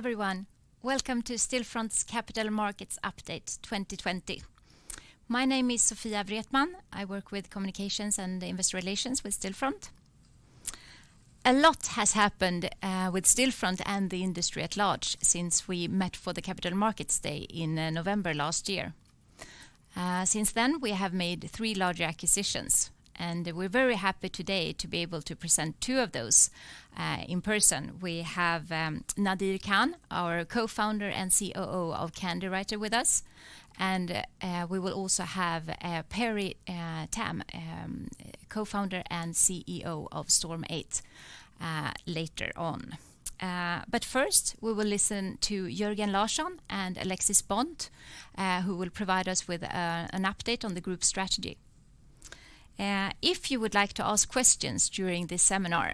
Hi, everyone. Welcome to Stillfront's Capital Markets Day 2020. My name is Sofia Wretman. I work with communications and investor relations with Stillfront. A lot has happened with Stillfront and the industry at large since we met for the Capital Markets Day in November last year. Since then, we have made three larger acquisitions, and we're very happy today to be able to present two of those in person. We have Nadir Khan, our co-founder and COO of CANDYWRITER with us, and we will also have Perry Tam, co-founder and CEO of Storm8 later on. First, we will listen to Jörgen Larsson and Alexis Bonte, who will provide us with an update on the group strategy. If you would like to ask questions during this seminar,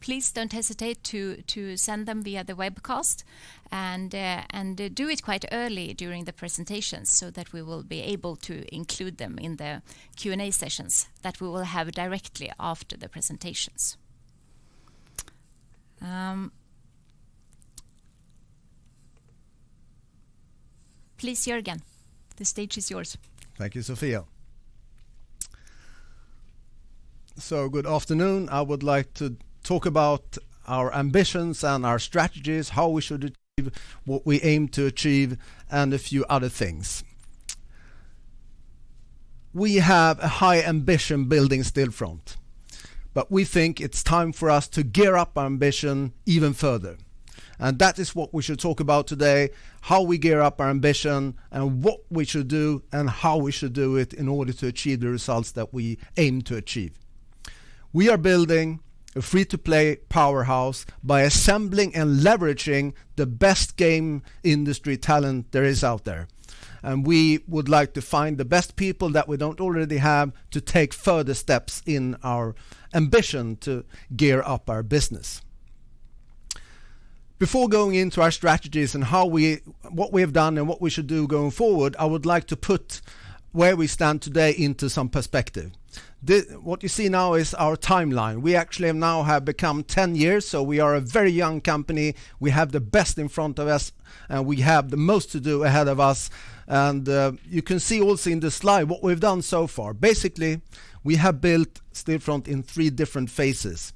please don't hesitate to send them via the webcast and do it quite early during the presentation so that we will be able to include them in the Q&A sessions that we will have directly after the presentations. Please, Jörgen, the stage is yours. Thank you, Sofia. Good afternoon. I would like to talk about our ambitions and our strategies, how we should achieve what we aim to achieve, and a few other things. We have a high ambition building Stillfront, but we think it's time for us to gear up our ambition even further. That is what we should talk about today, how we gear up our ambition, and what we should do and how we should do it in order to achieve the results that we aim to achieve. We are building a free-to-play powerhouse by assembling and leveraging the best game industry talent there is out there. We would like to find the best people that we don't already have to take further steps in our ambition to gear up our business. Before going into our strategies and what we have done and what we should do going forward, I would like to put where we stand today into some perspective. What you see now is our timeline. We actually now have become 10 years, so we are a very young company. We have the best in front of us, and we have the most to do ahead of us. You can see also in this slide what we've done so far. Basically, we have built Stillfront in three different phases.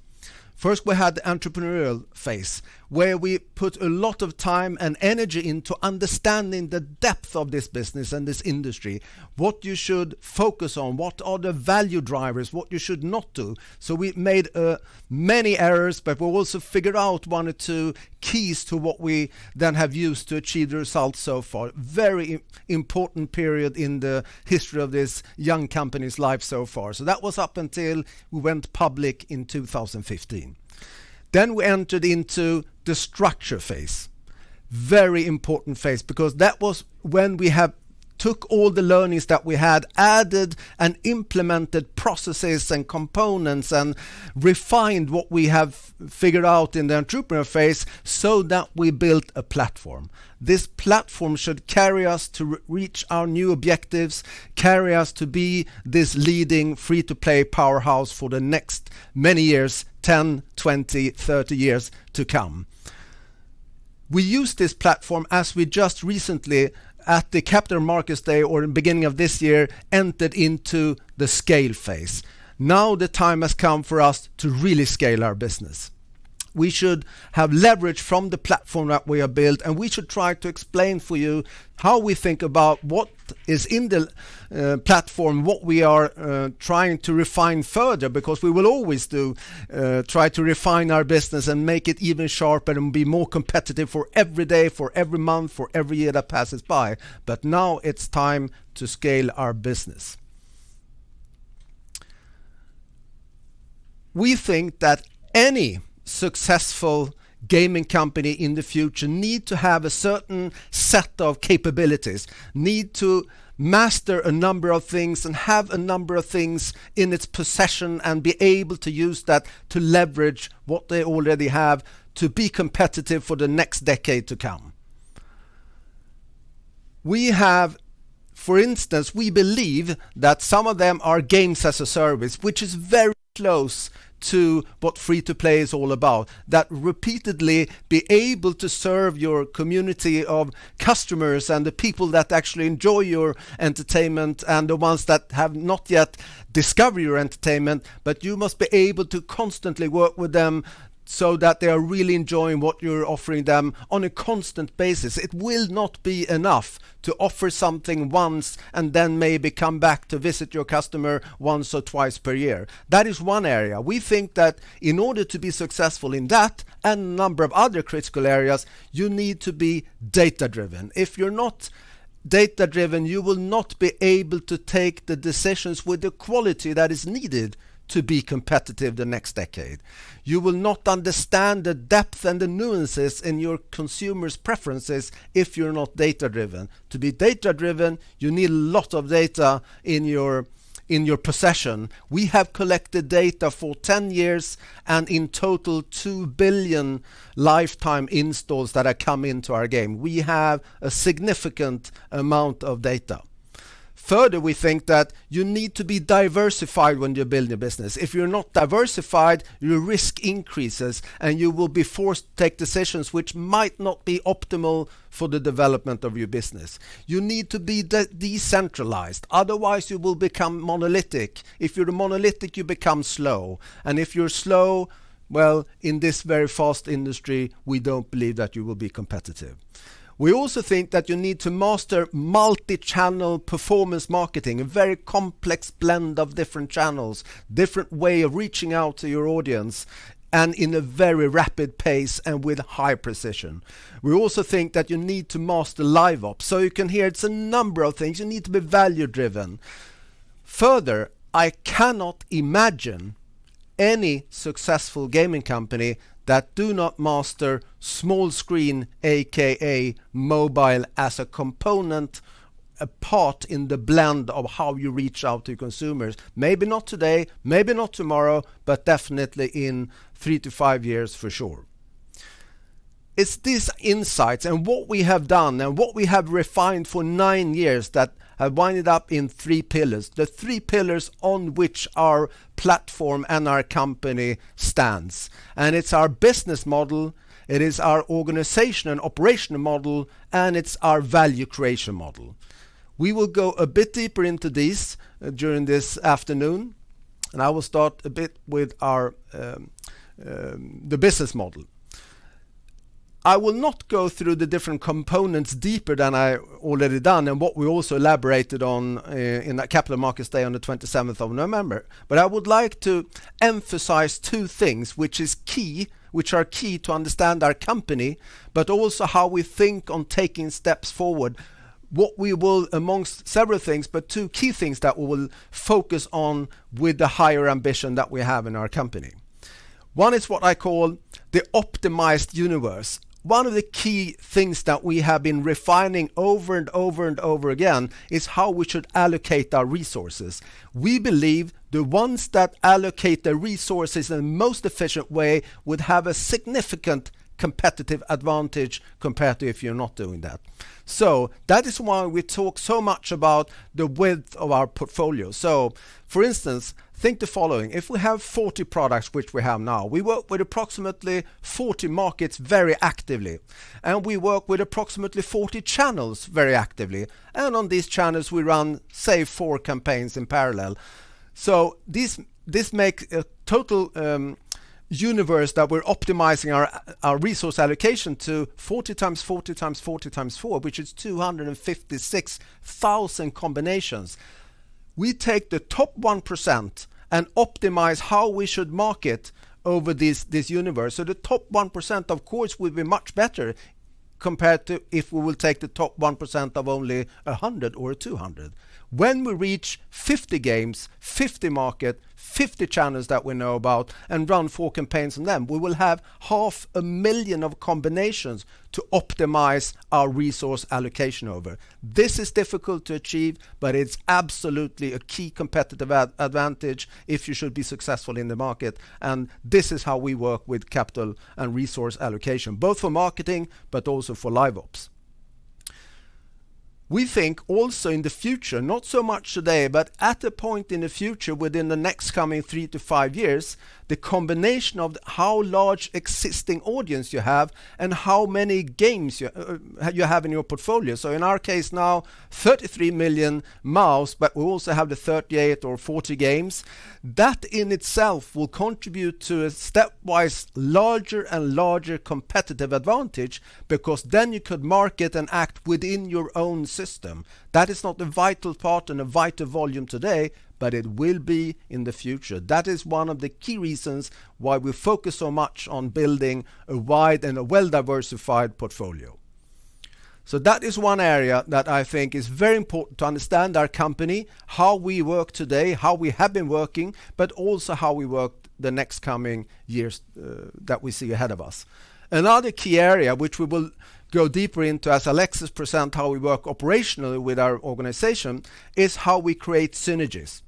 First, we had the entrepreneurial phase, where we put a lot of time and energy into understanding the depth of this business and this industry. What you should focus on, what are the value drivers, what you should not do. We made many errors, but we've also figured out one or two keys to what we then have used to achieve the results so far. Very important period in the history of this young company's life so far. That was up until we went public in 2015. We entered into the structure phase. Very important phase because that was when we have took all the learnings that we had, added and implemented processes and components, and refined what we have figured out in the entrepreneur phase so that we built a platform. This platform should carry us to reach our new objectives, carry us to be this leading free-to-play powerhouse for the next many years, 10, 20, 30 years to come. We used this platform as we just recently at the Capital Markets Day or beginning of this year, entered into the scale phase. Now the time has come for us to really scale our business. We should have leverage from the platform that we have built, and we should try to explain for you how we think about what is in the platform, what we are trying to refine further, because we will always try to refine our business and make it even sharper and be more competitive for every day, for every month, for every year that passes by. Now it's time to scale our business. We think that any successful gaming company in the future need to have a certain set of capabilities, need to master a number of things and have a number of things in its possession and be able to use that to leverage what they already have to be competitive for the next decade to come. For instance, we believe that some of them are Games as a Service, which is very close to what free-to-play is all about. That repeatedly be able to serve your community of customers and the people that actually enjoy your entertainment, and the ones that have not yet discovered your entertainment, but you must be able to constantly work with them so that they are really enjoying what you're offering them on a constant basis. It will not be enough to offer something once and then maybe come back to visit your customer once or twice per year. That is one area. We think that in order to be successful in that and a number of other critical areas, you need to be data-driven. If you're not data-driven, you will not be able to take the decisions with the quality that is needed to be competitive the next decade. You will not understand the depth and the nuances in your consumers' preferences if you're not data-driven. To be data-driven, you need a lot of data in your possession. We have collected data for 10 years, and in total, 2 billion lifetime installs that have come into our game. We have a significant amount of data. Further, we think that you need to be diversified when you build your business. If you're not diversified, your risk increases, and you will be forced to take decisions which might not be optimal for the development of your business. You need to be decentralized, otherwise you will become monolithic. If you're monolithic, you become slow. If you're slow, well, in this very fast industry, we don't believe that you will be competitive. We also think that you need to master multi-channel performance marketing, a very complex blend of different channels, different way of reaching out to your audience, and in a very rapid pace and with high precision. We also think that you need to master Live Ops. You can hear it's a number of things. You need to be value-driven. Further, I cannot imagine any successful gaming company that do not master small screen, AKA mobile as a component, a part in the blend of how you reach out to consumers. Maybe not today, maybe not tomorrow, but definitely in three to five years for sure. It's these insights and what we have done and what we have refined for nine years that have winded up in three pillars, the three pillars on which our platform and our company stands. It's our business model, it is our organization and operational model, and it's our value creation model. We will go a bit deeper into this during this afternoon, and I will start a bit with the business model. I will not go through the different components deeper than I already done, and what we also elaborated on in that Capital Markets Day on the 27th of November. I would like to emphasize two things which are key to understand our company, but also how we think on taking steps forward. What we will, amongst several things, but two key things that we will focus on with the higher ambition that we have in our company. One is what I call the optimized universe. One of the key things that we have been refining over and over and over again is how we should allocate our resources. We believe the ones that allocate the resources in the most efficient way would have a significant competitive advantage compared to if you're not doing that. That is why we talk so much about the width of our portfolio. For instance, think the following, if we have 40 products, which we have now, we work with approximately 40 markets very actively, and we work with approximately 40 channels very actively. On these channels, we run, say, four campaigns in parallel. This makes a total universe that we're optimizing our resource allocation to 40 times 40 times 40 times 4, which is 256,000 combinations. We take the top 1% and optimize how we should market over this universe. The top 1%, of course, will be much better compared to if we will take the top 1% of only 100 or 200. When we reach 50 games, 50 markets, 50 channels that we know about and run four campaigns on them, we will have half a million of combinations to optimize our resource allocation over. This is difficult to achieve, but it's absolutely a key competitive advantage if you should be successful in the market, and this is how we work with capital and resource allocation, both for marketing but also for Live Ops. We think also in the future, not so much today, but at a point in the future within the next coming three to five years, the combination of how large existing audience you have and how many games you have in your portfolio. So in our case now, 33 million MAUs, but we also have the 38 or 40 games. That in itself will contribute to a stepwise larger and larger competitive advantage because then you could market and act within your own system. That is not the vital part and a vital volume today, but it will be in the future. That is one of the key reasons why we focus so much on building a wide and a well-diversified portfolio. That is one area that I think is very important to understand our company, how we work today, how we have been working, but also how we work the next coming years that we see ahead of us. Another key area, which we will go deeper into as Alexis present how we work operationally with our organization, is how we create synergies.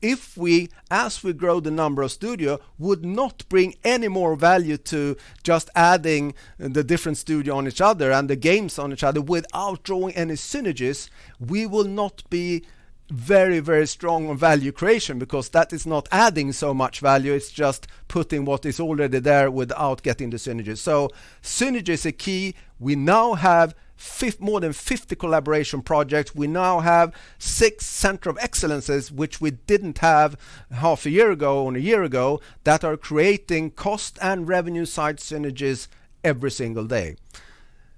If we, as we grow the number of studio, would not bring any more value to just adding the different studio on each other and the games on each other without drawing any synergies, we will not be very strong on value creation because that is not adding so much value, it's just putting what is already there without getting the synergies. Synergy is a key. We now have more than 50 collaboration projects. We now have six Center of Excellences, which we didn't have half a year ago, or a year ago, that are creating cost and revenue-side synergies every single day.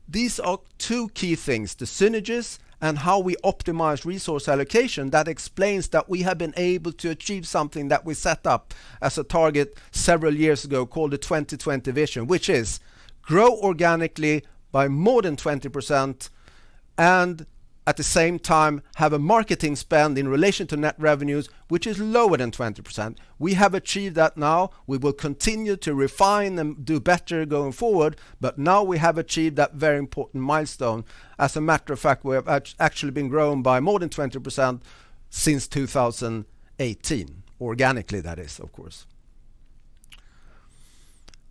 These are two key things, the synergies and how we optimize resource allocation that explains that we have been able to achieve something that we set up as a target several years ago, called the 2020 vision, which is grow organically by more than 20%, and at the same time have a marketing spend in relation to net revenues, which is lower than 20%. We have achieved that now. We will continue to refine and do better going forward, but now we have achieved that very important milestone. As a matter of fact, we have actually been growing by more than 20% since 2018. Organically, that is, of course.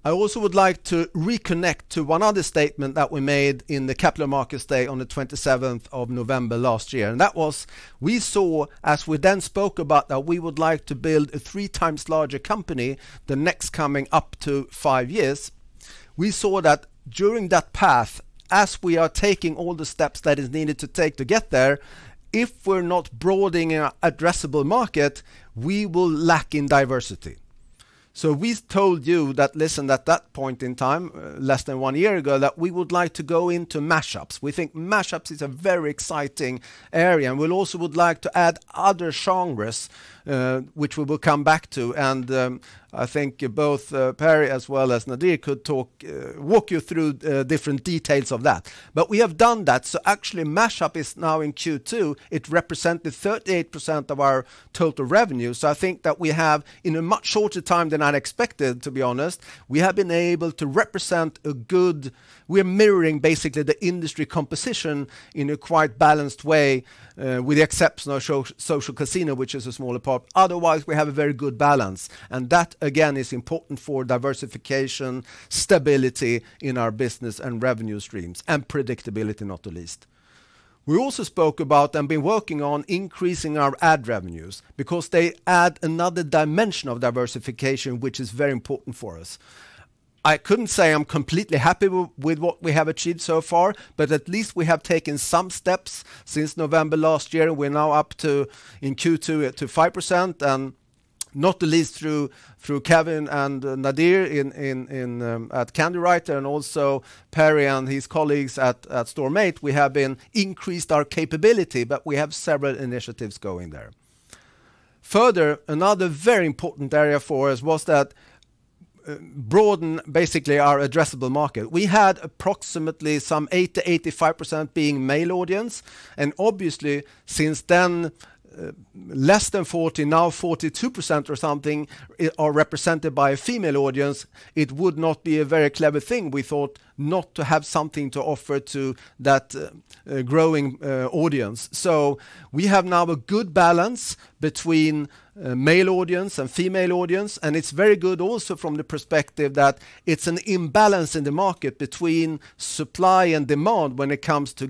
I also would like to reconnect to one other statement that we made in the Capital Markets Day on the 27th of November last year. That was, we saw as we then spoke about that we would like to build a three times larger company the next coming up to five years. We saw that during that path, as we are taking all the steps that is needed to take to get there, if we're not broadening our addressable market, we will lack in diversity. We told you that, listen, at that point in time, less than one year ago, that we would like to go into mash-ups. We think mash-ups is a very exciting area, and we also would like to add other genres, which we will come back to. I think both Perry as well as Nadir could walk you through different details of that. We have done that. Actually mash-up is now in Q2, it represented 38% of our total revenue. I think that we have, in a much shorter time than I'd expected, to be honest, we have been able to represent. We're mirroring basically the industry composition in a quite balanced way, with the exception of social casino, which is a smaller part. Otherwise, we have a very good balance, and that again, is important for diversification, stability in our business and revenue streams, and predictability not the least. We also spoke about and been working on increasing our ad revenues because they add another dimension of diversification, which is very important for us. I couldn't say I'm completely happy with what we have achieved so far, but at least we have taken some steps since November last year. We're now up to in Q2 to 5%, and not the least through Kevin and Nadir at CANDYWRITER, and also Perry and his colleagues at Storm8, we have increased our capability, but we have several initiatives going there. Further, another very important area for us was that broaden basically our addressable market. We had approximately some 80%-85% being male audience, and obviously since then, less than 40%, now 42% or something, are represented by a female audience. It would not be a very clever thing, we thought, not to have something to offer to that growing audience. We have now a good balance between male audience and female audience, and it's very good also from the perspective that it's an imbalance in the market between supply and demand when it comes to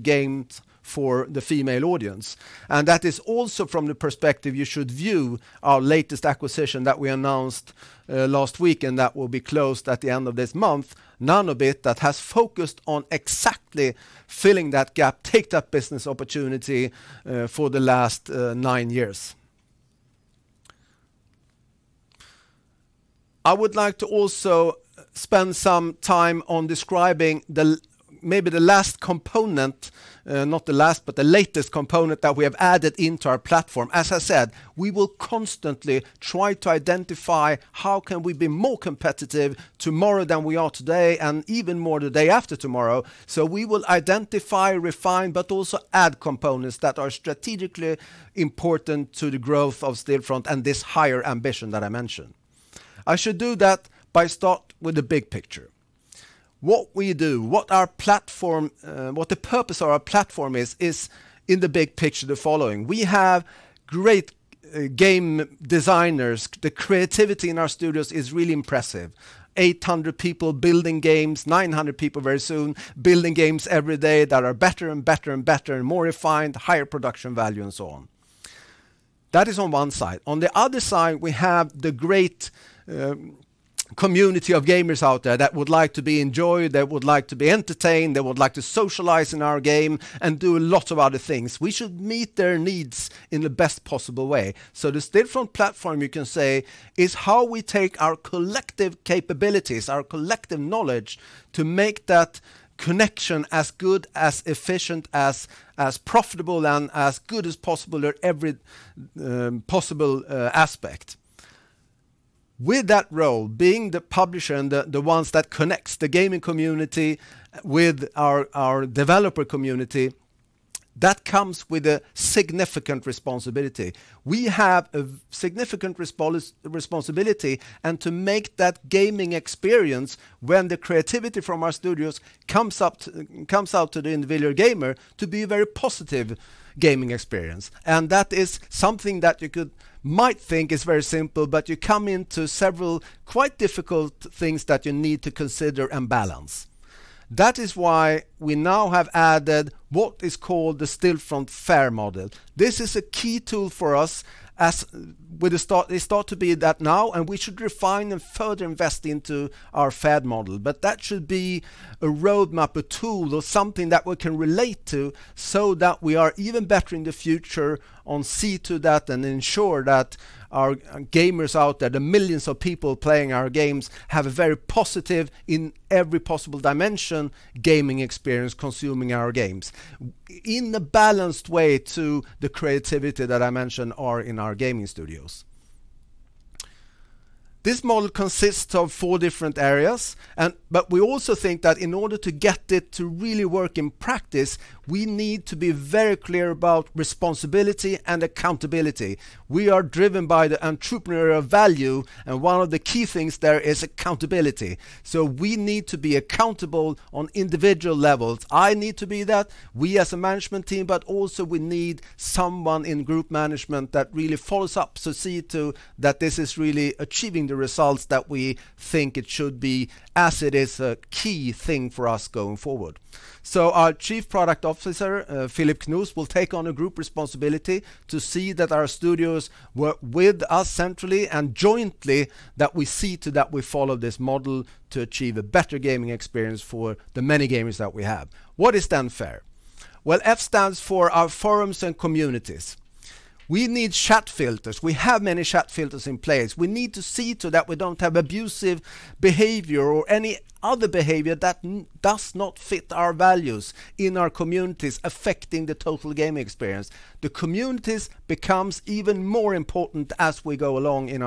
games for the female audience. That is also from the perspective you should view our latest acquisition that we announced last week, and that will be closed at the end of this month. Nanobit that has focused on exactly filling that gap, take that business opportunity for the last nine years. I would like to also spend some time on describing maybe the last component, not the last, but the latest component that we have added into our platform. As I said, we will constantly try to identify how can we be more competitive tomorrow than we are today, and even more the day after tomorrow. We will identify, refine, but also add components that are strategically important to the growth of Stillfront and this higher ambition that I mentioned. I should do that by start with the big picture. What we do, what the purpose of our platform is in the big picture the following: we have great game designers. The creativity in our studios is really impressive. 800 people building games, 900 people very soon, building games every day that are better and better and more refined, higher production value and so on. That is on one side. On the other side, we have the great community of gamers out there that would like to be enjoyed, that would like to be entertained, that would like to socialize in our game and do a lot of other things. We should meet their needs in the best possible way. The Stillfront platform, you can say, is how we take our collective capabilities, our collective knowledge to make that connection as good, as efficient, as profitable, and as good as possible at every possible aspect. With that role being the publisher and the ones that connects the gaming community with our developer community, that comes with a significant responsibility. We have a significant responsibility, and to make that gaming experience when the creativity from our studios comes out to the individual gamer to be a very positive gaming experience. That is something that you might think is very simple, but you come into several quite difficult things that you need to consider and balance. That is why we now have added what is called the Stillfront FAIR model. This is a key tool for us as it start to be that now, and we should refine and further invest into our FAIR model, but that should be a roadmap, a tool, or something that we can relate to so that we are even better in the future on see to that and ensure that our gamers out there, the millions of people playing our games, have a very positive, in every possible dimension, gaming experience consuming our games in a balanced way to the creativity that I mentioned are in our gaming studios. This model consists of four different areas. We also think that in order to get it to really work in practice, we need to be very clear about responsibility and accountability. We are driven by the entrepreneurial value, and one of the key things there is accountability. We need to be accountable on individual levels. I need to be that, we as a management team, but also we need someone in group management that really follows up to see to that this is really achieving the results that we think it should be, as it is a key thing for us going forward. Our Chief Product Officer, Phillip Knust, will take on a group responsibility to see that our studios work with us centrally and jointly that we see to that we follow this model to achieve a better gaming experience for the many gamers that we have. What is FAIR? F stands for our forums and communities. We need chat filters. We have many chat filters in place. We need to see to that we don't have abusive behavior or any other behavior that does not fit our values in our communities affecting the total gaming experience. The communities becomes even more important as we go along in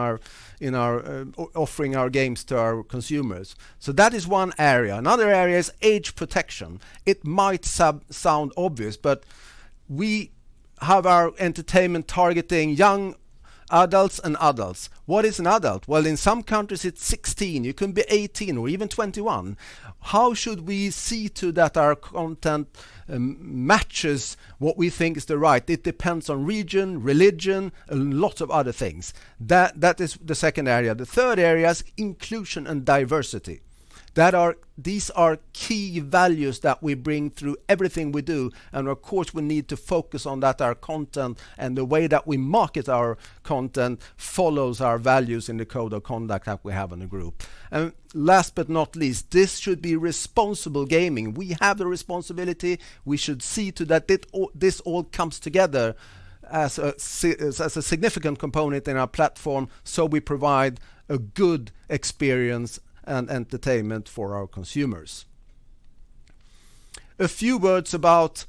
offering our games to our consumers. That is one area. Another area is age protection. We have our entertainment targeting young adults and adults. What is an adult? Well, in some countries it's 16. It can be 18 or even 21. How should we see to that our content matches what we think is the right? It depends on region, religion, and lots of other things. That is the second area. The third area is inclusion and diversity. These are key values that we bring through everything we do, and of course, we need to focus on that our content and the way that we market our content follows our values in the code of conduct that we have in the group. Last but not least, this should be responsible gaming. We have the responsibility. We should see to that this all comes together as a significant component in our platform, so we provide a good experience and entertainment for our consumers. A few words about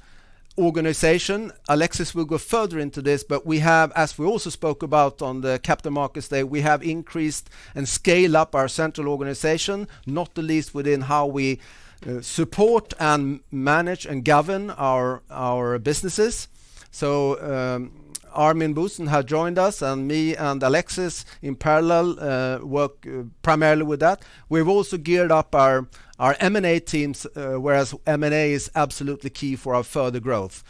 organization. Alexis will go further into this, but we have, as we also spoke about on the Capital Markets Day, we have increased and scale up our central organization, not the least within how we support and manage and govern our businesses. [Armin Busen] has joined us, and me and Alexis in parallel work primarily with that. We've also geared up our M&A teams, whereas M&A is absolutely key for our further growth.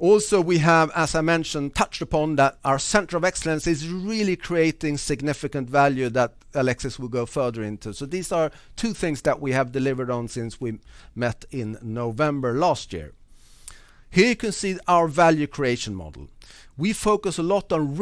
We have, as I mentioned, touched upon that our center of excellence is really creating significant value that Alexis will go further into. These are two things that we have delivered on since we met in November last year. Here you can see our value creation model. We focus a lot on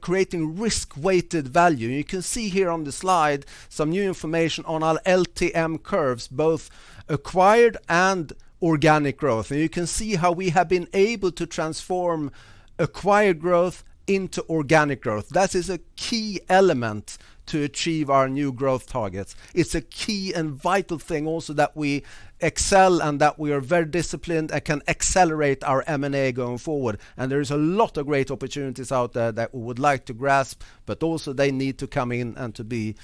creating risk-weighted value, you can see here on the slide some new information on our LTM curves, both acquired and organic growth. You can see how we have been able to transform acquired growth into organic growth. That is a key element to achieve our new growth targets. It's a key and vital thing also that we excel and that we are very disciplined and can accelerate our M&A going forward. There is a lot of great opportunities out there that we would like to grasp, but also they need to come in and to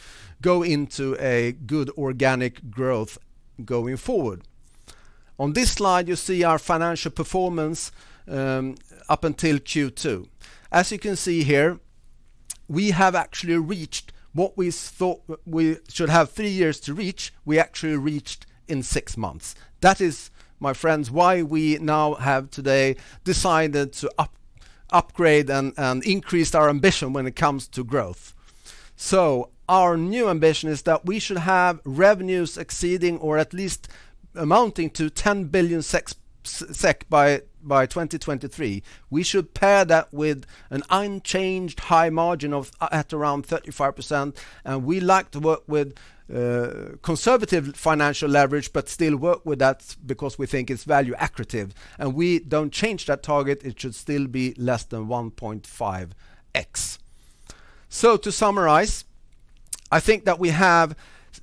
go into a good organic growth going forward. On this slide, you see our financial performance up until Q2. As you can see here, we have actually reached what we thought we should have three years to reach, we actually reached in six months. That is, my friends, why we now have today decided to upgrade and increase our ambition when it comes to growth. Our new ambition is that we should have revenues exceeding or at least amounting to 10 billion SEK by 2023. We should pair that with an unchanged high margin at around 35%, and we like to work with conservative financial leverage, but still work with that because we think it's value accretive. We don't change that target. It should still be less than 1.5x. To summarize I think that we have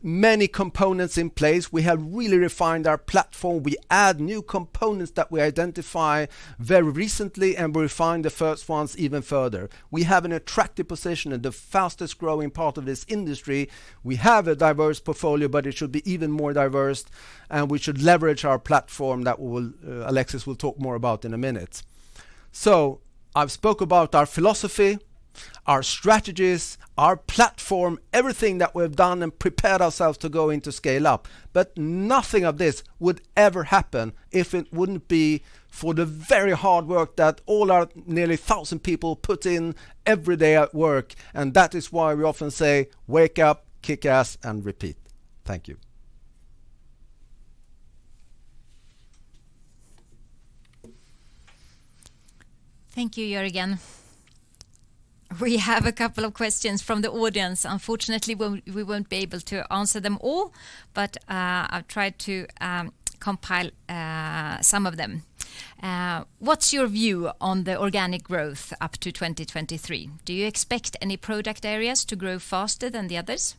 many components in place. We have really refined our platform. We add new components that we identify very recently, and we refine the first ones even further. We have an attractive position in the fastest-growing part of this industry. We have a diverse portfolio, but it should be even more diverse, and we should leverage our platform that Alexis will talk more about in a minute. I've spoke about our philosophy, our strategies, our platform, everything that we've done and prepared ourselves to go into scale up. Nothing of this would ever happen if it wouldn't be for the very hard work that all our nearly 1,000 people put in every day at work, and that is why we often say, "Wake up, kick ass, and repeat." Thank you. Thank you, Jörgen. We have a couple of questions from the audience. Unfortunately, we won't be able to answer them all, but I've tried to compile some of them. What's your view on the organic growth up to 2023? Do you expect any product areas to grow faster than the others?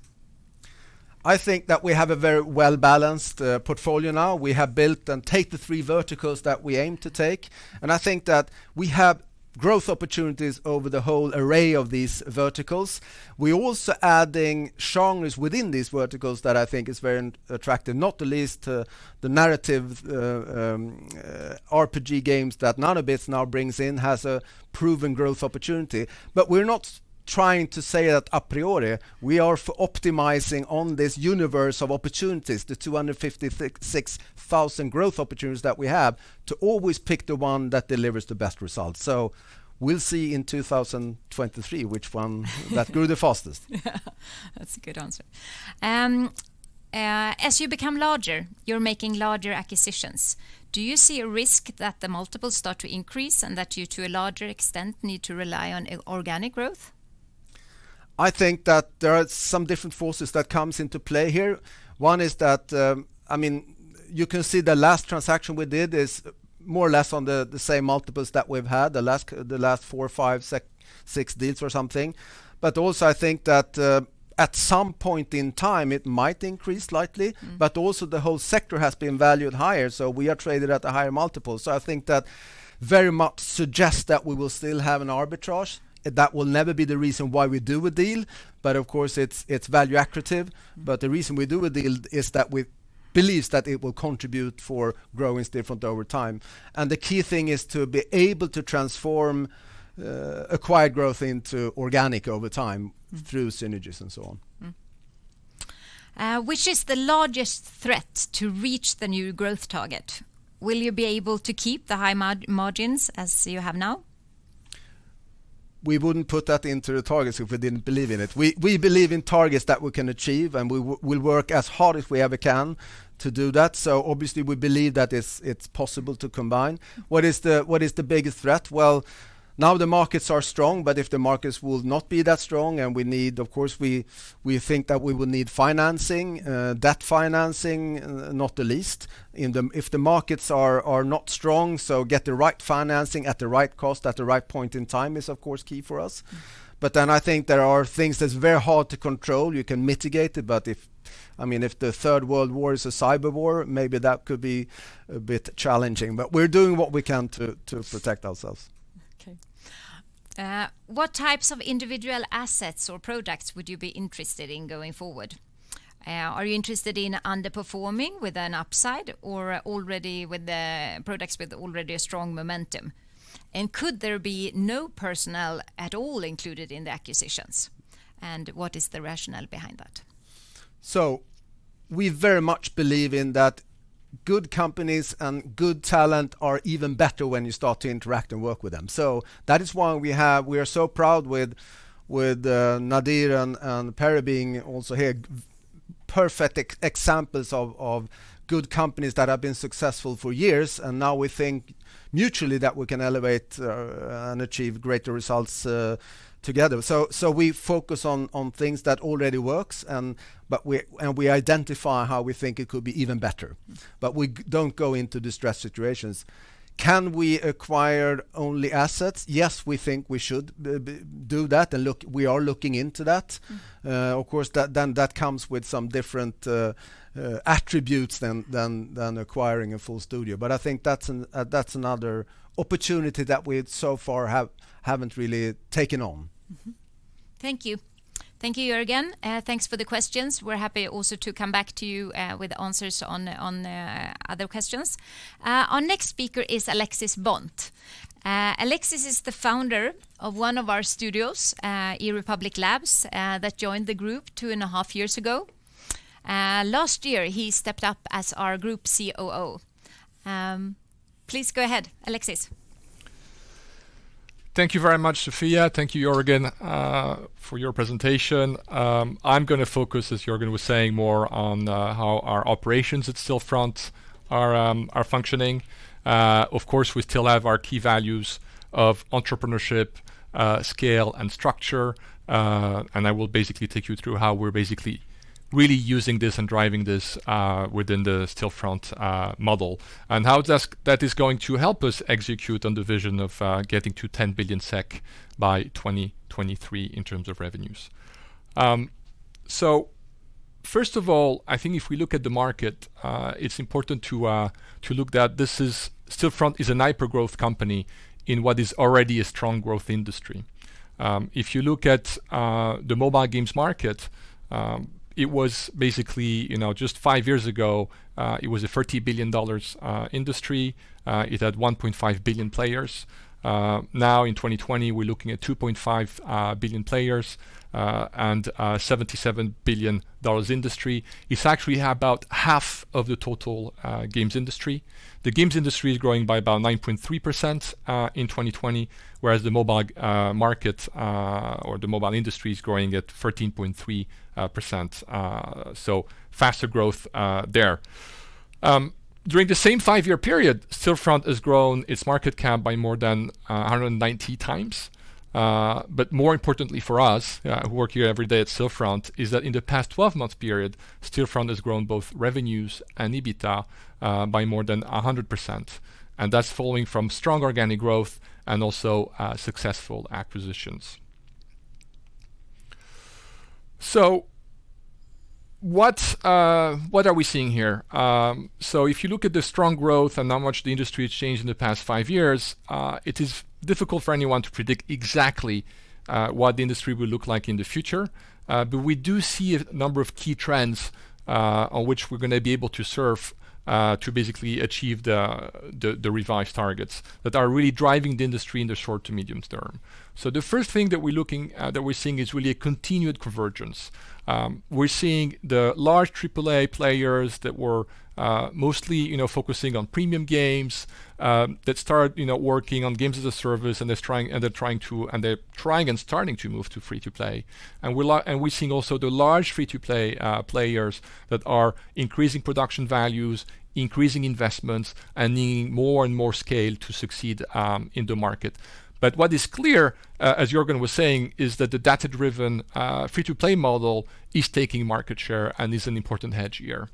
I think that we have a very well-balanced portfolio now. We have built and take the three verticals that we aim to take, and I think that we have growth opportunities over the whole array of these verticals. We're also adding genres within these verticals that I think is very attractive, not the least, the narrative RPG games that Nanobit now brings in has a proven growth opportunity. We're not trying to say that a priori, we are optimizing on this universe of opportunities, the 256,000 growth opportunities that we have, to always pick the one that delivers the best results. We'll see in 2023 which one that grew the fastest. That's a good answer. As you become larger, you're making larger acquisitions. Do you see a risk that the multiples start to increase and that you, to a larger extent, need to rely on organic growth? I think that there are some different forces that comes into play here. One is that, you can see the last transaction we did is more or less on the same multiples that we've had the last four, five, six deals or something. Also, I think that at some point in time, it might increase slightly. Also the whole sector has been valued higher, so we are traded at a higher multiple. I think that very much suggests that we will still have an arbitrage. That will never be the reason why we do a deal, but of course, it's value accretive. The reason we do a deal is that we believe that it will contribute for growing Stillfront over time. The key thing is to be able to transform acquired growth into organic over time through synergies and so on. Which is the largest threat to reach the new growth target? Will you be able to keep the high margins as you have now? We wouldn't put that into the targets if we didn't believe in it. We believe in targets that we can achieve, we'll work as hard as we ever can to do that. Obviously, we believe that it's possible to combine. What is the biggest threat? Now the markets are strong, but if the markets will not be that strong and we need, of course, we think that we will need financing, debt financing, not the least. If the markets are not strong, get the right financing at the right cost, at the right point in time is of course key for us. I think there are things that's very hard to control. You can mitigate it, but if the Third World War is a cyber war, maybe that could be a bit challenging. We're doing what we can to protect ourselves. Okay. What types of individual assets or products would you be interested in going forward? Are you interested in underperforming with an upside, or products with already a strong momentum? Could there be no personnel at all included in the acquisitions? What is the rationale behind that? We very much believe in that good companies and good talent are even better when you start to interact and work with them. That is why we are so proud with Nadir and Perry being also here, perfect examples of good companies that have been successful for years, and now we think mutually that we can elevate and achieve greater results together. We focus on things that already works, and we identify how we think it could be even better. We don't go into distressed situations. Can we acquire only assets? Yes, we think we should do that, and we are looking into that. Of course, that comes with some different attributes than acquiring a full studio. I think that's another opportunity that we so far haven't really taken on. Thank you. Thank you, Jörgen. Thanks for the questions. We're happy also to come back to you with answers on other questions. Our next speaker is Alexis Bonte. Alexis is the founder of one of our studios, eRepublik Labs, that joined the group two and a half years ago. Last year, he stepped up as our Group COO. Please go ahead, Alexis. Thank you very much, Sofia. Thank you, Jörgen for your presentation. I'm going to focus, as Jörgen was saying, more on how our operations at Stillfront are functioning. Of course, we still have our key values of entrepreneurship, scale, and structure. I will basically take you through how we're basically really using this and driving this within the Stillfront model, and how that is going to help us execute on the vision of getting to 10 billion SEK by 2023 in terms of revenues. First of all, I think if we look at the market, it's important to look that Stillfront is a hyper-growth company in what is already a strong growth industry. If you look at the mobile games market, it was basically just five years ago, it was a $30 billion industry. It had 1.5 billion players. In 2020, we're looking at 2.5 billion players and a $77 billion industry. It's actually about half of the total games industry. The games industry is growing by about 9.3% in 2020, whereas the mobile market or the mobile industry is growing at 13.3%, faster growth there. During the same five-year period, Stillfront has grown its market cap by more than 190 times. More importantly for us who work here every day at Stillfront, is that in the past 12 months period, Stillfront has grown both revenues and EBITDA by more than 100%. That's following from strong organic growth and also successful acquisitions. What are we seeing here? If you look at the strong growth and how much the industry has changed in the past five years, it is difficult for anyone to predict exactly what the industry will look like in the future. We do see a number of key trends, on which we're going to be able to surf, to basically achieve the revised targets that are really driving the industry in the short to medium term. The first thing that we're seeing is really a continued convergence. We're seeing the large AAA players that were mostly focusing on premium games, that start working on Games as a Service, and they're trying and starting to move to free-to-play. We're seeing also the large free-to-play players that are increasing production values, increasing investments, and needing more and more scale to succeed in the market. What is clear, as Jörgen was saying, is that the data-driven free-to-play model is taking market share and is an important hedge here.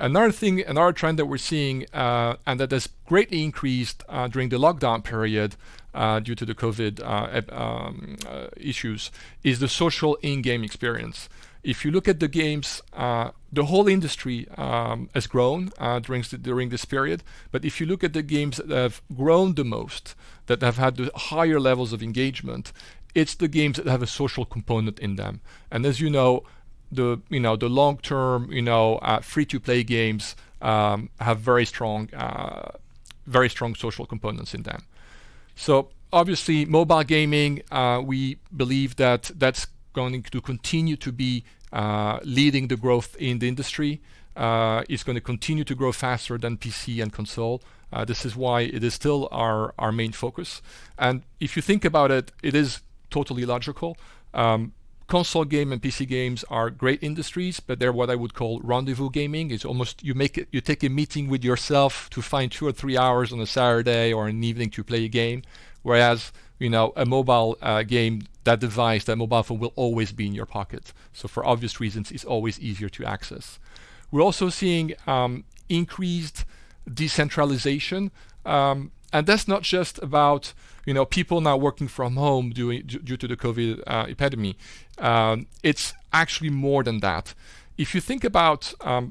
Another trend that we're seeing, and that has greatly increased during the lockdown period due to the COVID issues, is the social in-game experience. If you look at the games, the whole industry has grown during this period, but if you look at the games that have grown the most, that have had the higher levels of engagement, it's the games that have a social component in them. As you know, the long-term free-to-play games have very strong social components in them. Obviously, mobile gaming, we believe that that's going to continue to be leading the growth in the industry. It's going to continue to grow faster than PC and console. This is why it is still our main focus. If you think about it is totally logical. Console game and PC games are great industries, but they're what I would call rendezvous gaming. It's almost you take a meeting with yourself to find two or three hours on a Saturday or an evening to play a game. Whereas, a mobile game, that device, that mobile phone will always be in your pocket. For obvious reasons, it's always easier to access. We're also seeing increased decentralization. That's not just about people now working from home due to the COVID epidemic. It's actually more than that. If you think about, a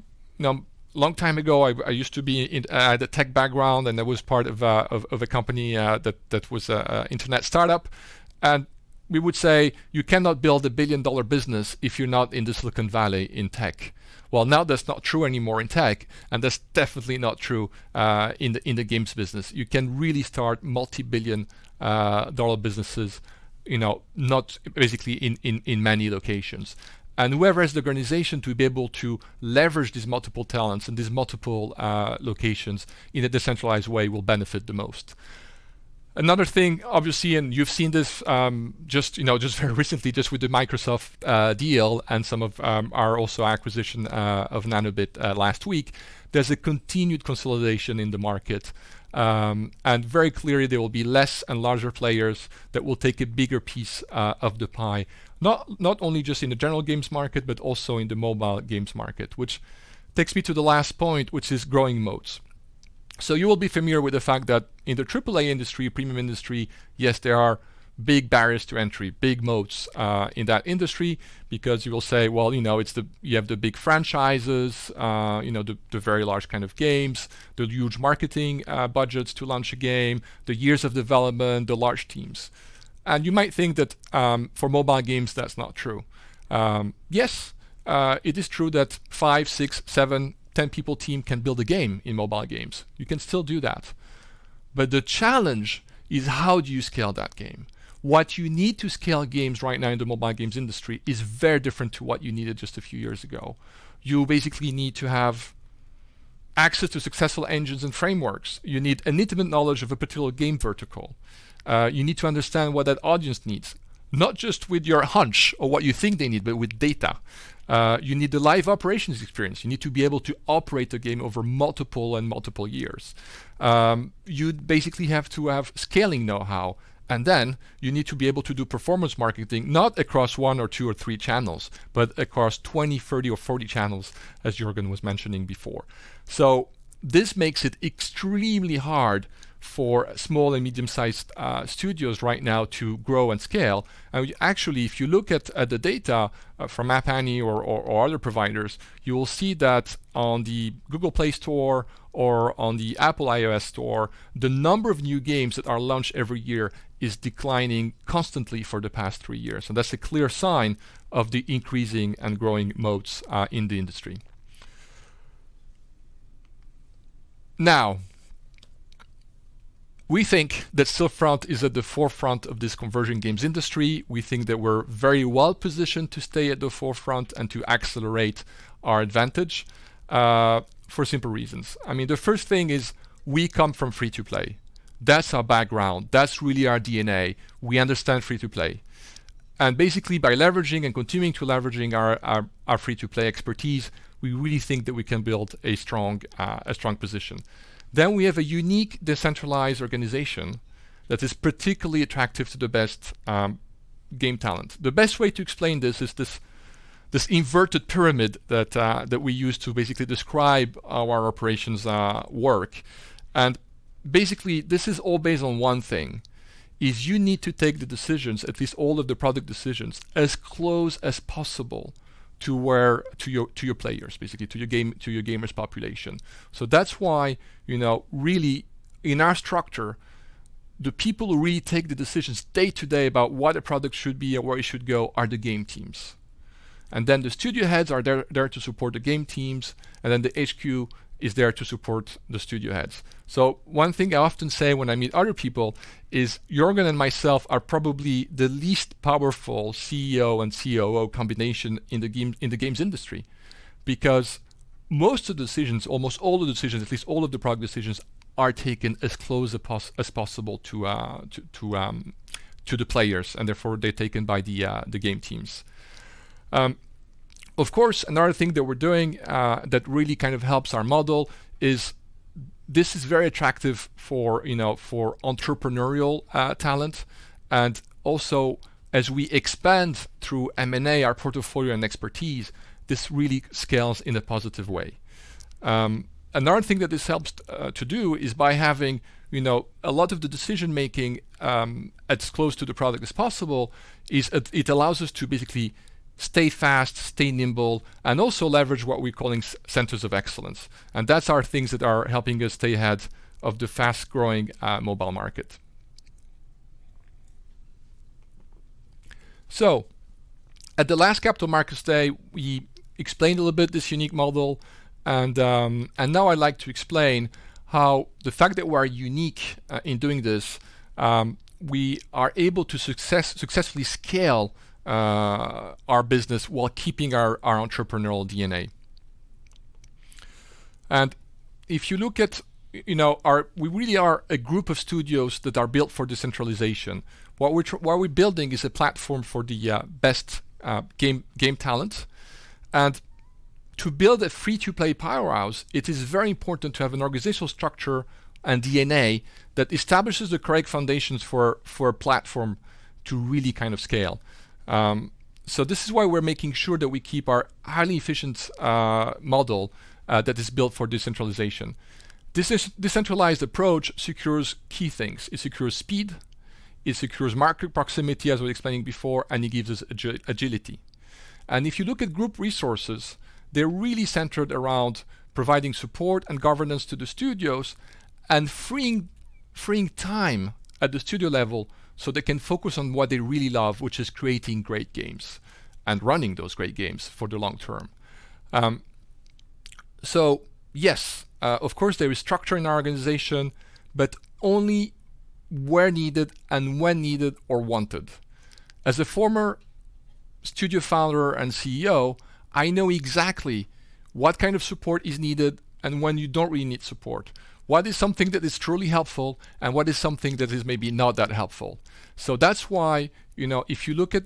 long time ago, I used to be in the tech background, and I was part of a company that was an internet startup, and we would say, "You cannot build a billion-dollar business if you're not in the Silicon Valley in tech." Well, now that's not true anymore in tech, and that's definitely not true in the games business. You can really start multi-billion dollar businesses basically in many locations. Whoever has the organization to be able to leverage these multiple talents and these multiple locations in a decentralized way will benefit the most. Another thing, obviously, and you've seen this just very recently, just with the Microsoft deal and some of our also acquisition of Nanobit last week, there's a continued consolidation in the market. Very clearly, there will be less and larger players that will take a bigger piece of the pie, not only just in the general games market, but also in the mobile games market, which takes me to the last point, which is growing moats. You will be familiar with the fact that in the AAA industry, premium industry, yes, there are big barriers to entry, big moats in that industry because you will say, "Well, you have the big franchises, the very large kind of games, the huge marketing budgets to launch a game, the years of development, the large teams." You might think that for mobile games, that's not true. Yes, it is true that a five, six, seven, 10-people team can build a game in mobile games. You can still do that. The challenge is how do you scale that game? What you need to scale games right now in the mobile games industry is very different to what you needed just a few years ago. You basically need to have access to successful engines and frameworks. You need an intimate knowledge of a particular game vertical. You need to understand what that audience needs, not just with your hunch or what you think they need, but with data. You need the Live Ops experience. You need to be able to operate the game over multiple and multiple years. You basically have to have scaling know-how, and then you need to be able to do performance marketing, not across one or two or three channels, but across 20, 30, or 40 channels, as Jörgen was mentioning before. This makes it extremely hard for small and medium-sized studios right now to grow and scale. Actually, if you look at the data from App Annie or other providers, you will see that on the Google Play Store or on the Apple iOS store, the number of new games that are launched every year is declining constantly for the past three years. That's a clear sign of the increasing and growing moats in the industry. We think that Stillfront is at the forefront of this conversion games industry. We think that we're very well-positioned to stay at the forefront and to accelerate our advantage for simple reasons. The first thing is we come from free-to-play. That's our background. That's really our DNA. We understand free-to-play. Basically, by leveraging and continuing to leveraging our free-to-play expertise, we really think that we can build a strong position. We have a unique decentralized organization that is particularly attractive to the best game talent. The best way to explain this is this inverted pyramid that we use to basically describe how our operations work. Basically, this is all based on one thing, is you need to take the decisions, at least all of the product decisions, as close as possible to your players, basically to your gamers population. That's why, really in our structure, the people who really take the decisions day-to-day about what a product should be and where it should go are the game teams. Then the studio heads are there to support the game teams, then the HQ is there to support the studio heads. One thing I often say when I meet other people is Jörgen and myself are probably the least powerful CEO and COO combination in the games industry, because most of the decisions, almost all of the decisions, at least all of the product decisions, are taken as close as possible to the players, and therefore, they're taken by the game teams. Of course, another thing that we're doing that really kind of helps our model is this is very attractive for entrepreneurial talent, also as we expand through M&A, our portfolio and expertise, this really scales in a positive way. Another thing that this helps to do is by having a lot of the decision-making as close to the product as possible, is it allows us to basically stay fast, stay nimble, and also leverage what we're calling centers of excellence. That's our things that are helping us stay ahead of the fast-growing mobile market. At the last Capital Markets Day, we explained a little bit this unique model, now I'd like to explain how the fact that we're unique in doing this, we are able to successfully scale our business while keeping our entrepreneurial DNA. We really are a group of studios that are built for decentralization. What we're building is a platform for the best game talent. To build a free-to-play powerhouse, it is very important to have an organizational structure and DNA that establishes the correct foundations for a platform to really kind of scale. This is why we're making sure that we keep our highly efficient model that is built for decentralization. Decentralized approach secures key things. It secures speed, it secures market proximity, as we explained before, and it gives us agility. If you look at group resources, they're really centered around providing support and governance to the studios and freeing time at the studio level so they can focus on what they really love, which is creating great games and running those great games for the long term. Yes, of course, there is structure in our organization, but only where needed and when needed or wanted. As a former studio founder and CEO, I know exactly what kind of support is needed and when you don't really need support. What is something that is truly helpful and what is something that is maybe not that helpful? That's why, if you look at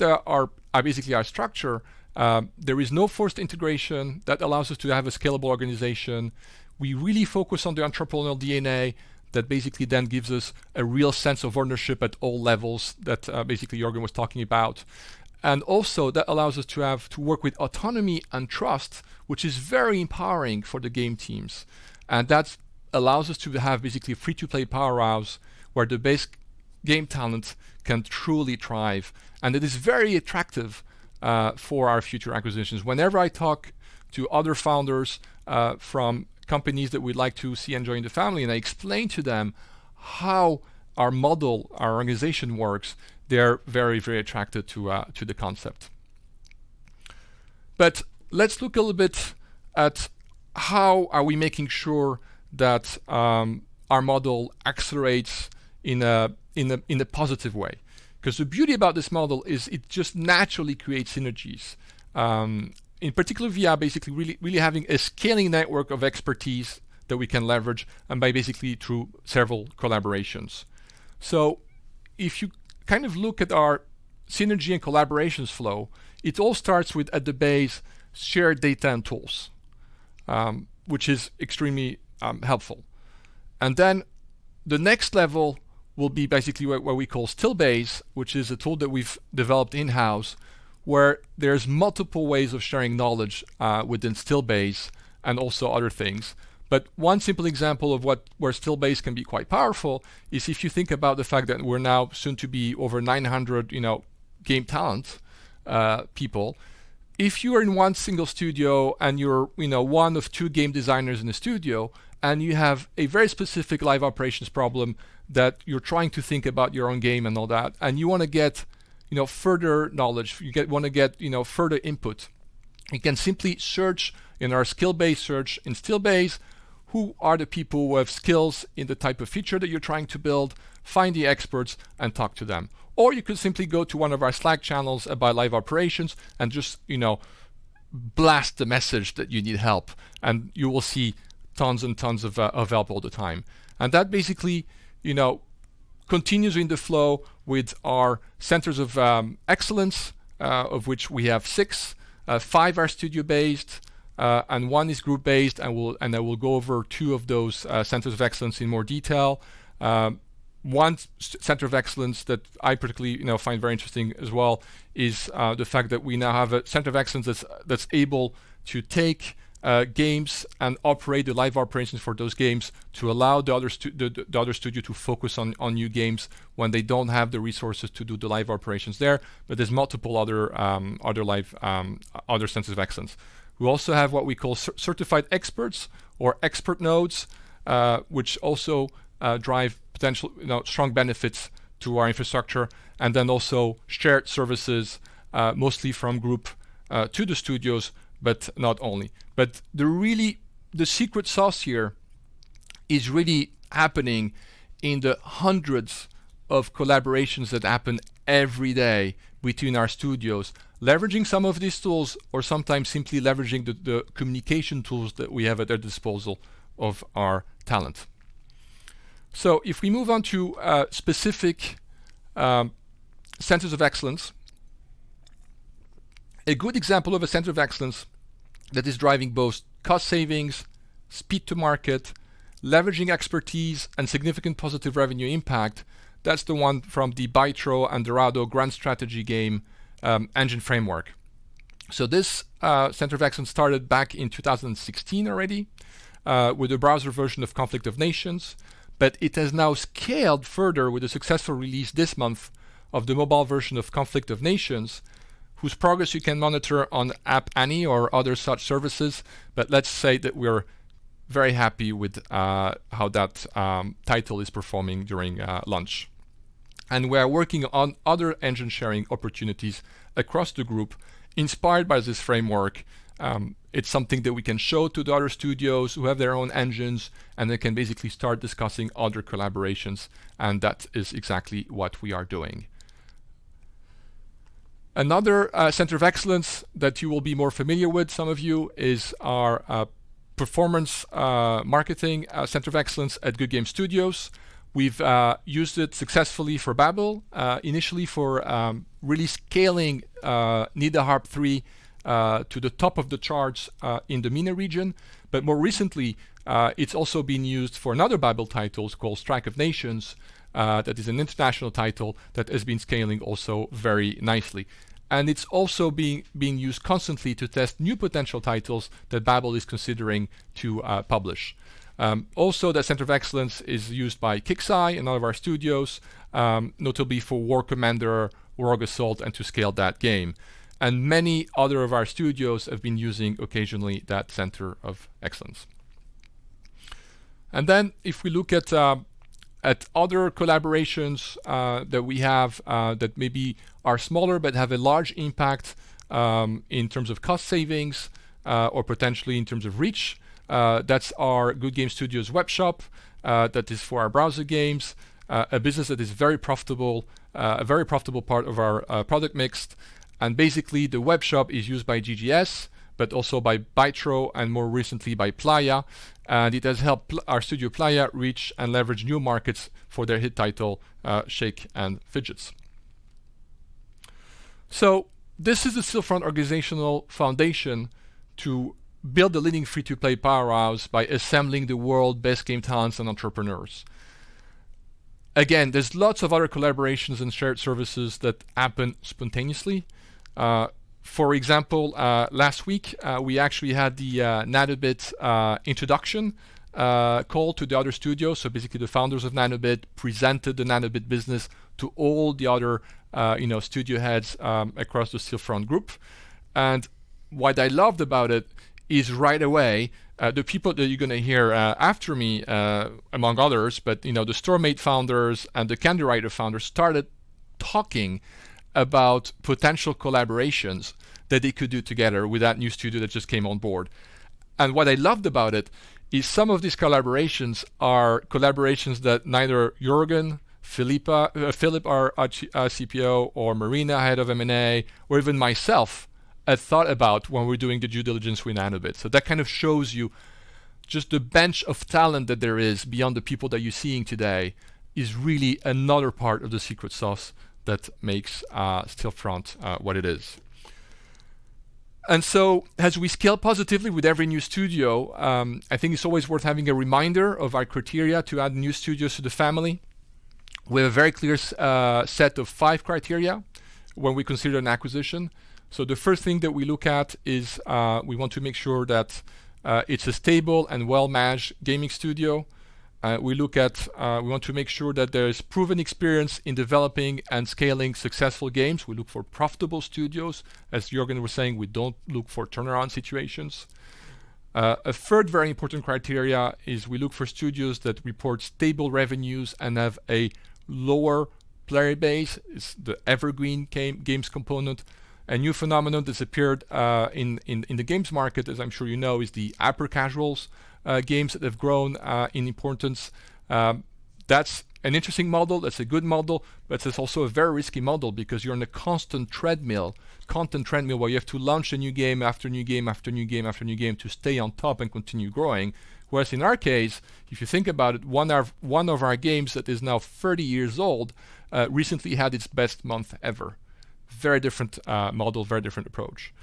basically our structure, there is no forced integration that allows us to have a scalable organization. We really focus on the entrepreneurial DNA that basically then gives us a real sense of ownership at all levels that basically Jörgen was talking about. Also that allows us to work with autonomy and trust, which is very empowering for the game teams. That allows us to have basically free-to-play powerhouse where the best game talent can truly thrive. It is very attractive for our future acquisitions. Whenever I talk to other founders from companies that we'd like to see and join the family, and I explain to them how our model, our organization works, they're very, very attracted to the concept. Let's look a little bit at how are we making sure that our model accelerates in a positive way, because the beauty about this model is it just naturally creates synergies. In particular, we are basically really having a scaling network of expertise that we can leverage and by basically through several collaborations. If you kind of look at our synergy and collaborations flow, it all starts with, at the base, shared data and tools, which is extremely helpful. The next level will be basically what we call Stillbase, which is a tool that we've developed in-house where there's multiple ways of sharing knowledge within Stillbase and also other things. One simple example of where Stillbase can be quite powerful is if you think about the fact that we're now soon to be over 900 game talent people, if you are in one single studio and you're one of two game designers in the studio, and you have a very specific live operations problem that you're trying to think about your own game and all that, and you want to get further knowledge, you want to get further input, you can simply search in our skill-based search in Stillbase, who are the people who have skills in the type of feature that you're trying to build, find the experts, and talk to them. You could simply go to one of our Slack channels about live operations and just blast the message that you need help, and you will see tons and tons of help all the time. That basically continues in the flow with our Centers of Excellence, of which we have six. Five are studio-based, and one is group-based, and I will go over two of those Centers of Excellence in more detail. One Center of Excellence that I particularly find very interesting as well is the fact that we now have a Center of Excellence that's able to take games and operate the live operations for those games to allow the other studio to focus on new games when they don't have the resources to do the live operations there. There's multiple other Centers of Excellence. We also have what we call certified experts or expert nodes, which also drive potential strong benefits to our infrastructure. Also shared services, mostly from Group to the studios, but not only. The secret sauce here is really happening in the hundreds of collaborations that happen every day between our studios, leveraging some of these tools or sometimes simply leveraging the communication tools that we have at the disposal of our talent. If we move on to specific Centers of Excellence, a good example of a Center of Excellence that is driving both cost savings, speed to market, leveraging expertise, and significant positive revenue impact, that's the one from the Bytro and Dorado grand strategy game engine framework. This center of excellence started back in 2016 already with the browser version of Conflict of Nations, but it has now scaled further with the successful release this month of the mobile version of Conflict of Nations, whose progress you can monitor on App Annie or other such services. Let's say that we're very happy with how that title is performing during launch. We are working on other engine-sharing opportunities across the group inspired by this framework. It's something that we can show to the other studios who have their own engines, and they can basically start discussing other collaborations, and that is exactly what we are doing. Another center of excellence that you will be more familiar with, some of you, is our performance marketing center of excellence at Goodgame Studios. We've used it successfully for Babil initially for really scaling "Nida Harb 3" to the top of the charts in the MENA region. More recently, it's also been used for another Babil Games title called "Strike of Nations," that is an international title that has been scaling also very nicely. It's also being used constantly to test new potential titles that Babil Games is considering to publish. Also, that Center of Excellence is used by KIXEYE and all of our studios, notably for "War Commander," "War Commander: Rogue Assault," and to scale that game. Many other of our studios have been using occasionally that Center of Excellence. If we look at other collaborations that we have that maybe are smaller but have a large impact in terms of cost savings or potentially in terms of reach, that is our Goodgame Studios webshop that is for our browser games, a business that is a very profitable part of our product mix. The webshop is used by GGS, but also by Bytro and more recently by Playa, and it has helped our studio, Playa, reach and leverage new markets for their hit title, "Shakes & Fidget." This is a Stillfront organizational foundation to build a leading free-to-play powerhouse by assembling the world's best game talents and entrepreneurs. Again, there is lots of other collaborations and shared services that happen spontaneously. For example, last week, we actually had the Nanobit introduction call to the other studios. Basically, the founders of Nanobit presented the Nanobit business to all the other studio heads across the Stillfront Group. What I loved about it is right away, the people that you're going to hear after me among others, but the Storm8 founders and the CANDYWRITER founders started talking about potential collaborations that they could do together with that new studio that just came on board. What I loved about it is some of these collaborations are collaborations that neither Jörgen, Phillip, our CPO, or Marina, head of M&A, or even myself had thought about when we were doing the due diligence with Nanobit. That kind of shows you just the bench of talent that there is beyond the people that you're seeing today is really another part of the secret sauce that makes Stillfront what it is. As we scale positively with every new studio, I think it's always worth having a reminder of our criteria to add new studios to the family. We have a very clear set of five criteria when we consider an acquisition. The first thing that we look at is we want to make sure that it's a stable and well-matched gaming studio. We want to make sure that there is proven experience in developing and scaling successful games. We look for profitable studios. As Jörgen was saying, we don't look for turnaround situations. A third very important criteria is we look for studios that report stable revenues and have a lower player base. It's the evergreen games component. A new phenomenon that's appeared in the games market, as I'm sure you know, is the upper casuals games that have grown in importance. That's an interesting model, that's a good model, but it's also a very risky model because you're on a constant treadmill where you have to launch a new game after new game after new game after new game to stay on top and continue growing. Whereas in our case, if you think about it, one of our games that is now 30 years old, recently had its best month ever. Very different model, very different approach.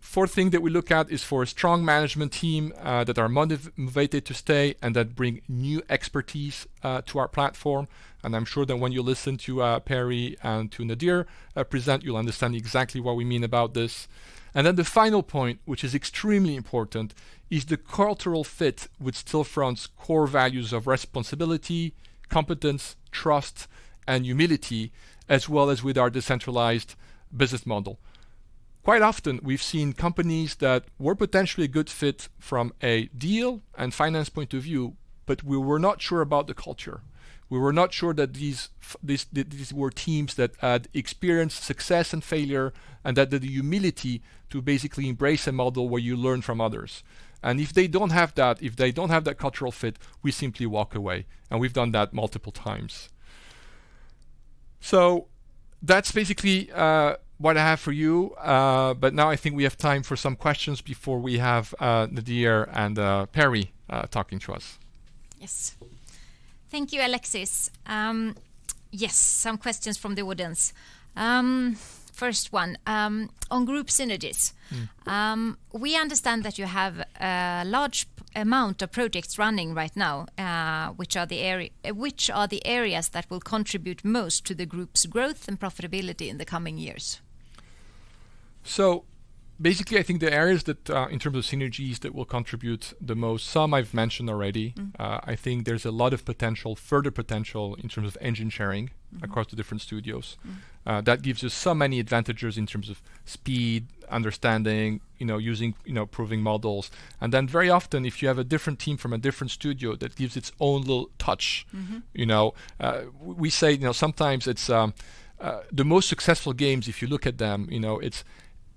Fourth thing that we look at is for a strong management team that are motivated to stay and that bring new expertise to our platform. I'm sure that when you listen to Perry and to Nadir present, you'll understand exactly what we mean about this. The final point, which is extremely important, is the cultural fit with Stillfront's core values of responsibility, competence, trust and humility, as well as with our decentralized business model. Quite often we've seen companies that were potentially a good fit from a deal and finance point of view, but we were not sure about the culture. We were not sure that these were teams that had experienced success and failure and that the humility to basically embrace a model where you learn from others. If they don't have that cultural fit, we simply walk away. We've done that multiple times. That's basically what I have for you, but now I think we have time for some questions before we have Nadir and Perry talking to us. Yes. Thank you, Alexis. Yes, some questions from the audience. First one, on group synergies. We understand that you have a large amount of projects running right now. Which are the areas that will contribute most to the group's growth and profitability in the coming years? Basically, I think the areas that, in terms of synergies that will contribute the most, some I've mentioned already. I think there's a lot of further potential in terms of engine sharing across the different studios. That gives us so many advantages in terms of speed, understanding, using proving models. Very often if you have a different team from a different studio, that gives its own little touch. We say sometimes the most successful games, if you look at them,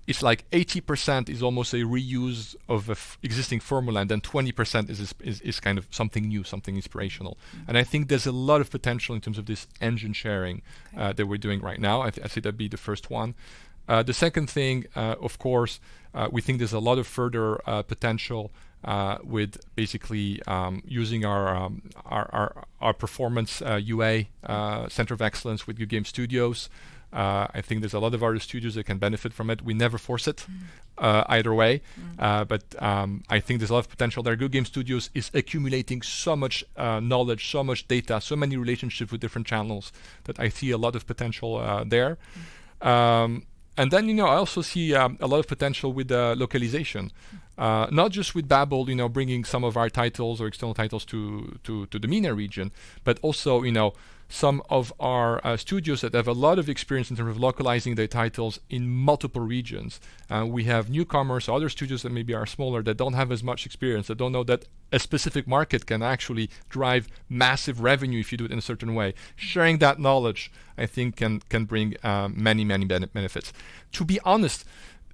it's like 80% is almost a reuse of existing formula, then 20% is kind of something new, something inspirational. I think there's a lot of potential in terms of this engine sharing that we're doing right now. I'd say that'd be the first one. The second thing, of course, we think there's a lot of further potential with basically using our performance UA, Center of Excellence with Goodgame Studios. I think there's a lot of other studios that can benefit from it. We never force it either way, I think there's a lot of potential there. Goodgame Studios is accumulating so much knowledge, so much data, so many relationships with different channels that I see a lot of potential there. I also see a lot of potential with localization. Not just with Babil, bringing some of our titles or external titles to the MENA region, but also some of our studios that have a lot of experience in terms of localizing their titles in multiple regions. We have newcomers, other studios that maybe are smaller, that don't have as much experience, that don't know that a specific market can actually drive massive revenue if you do it in a certain way. Sharing that knowledge, I think, can bring many benefits. To be honest,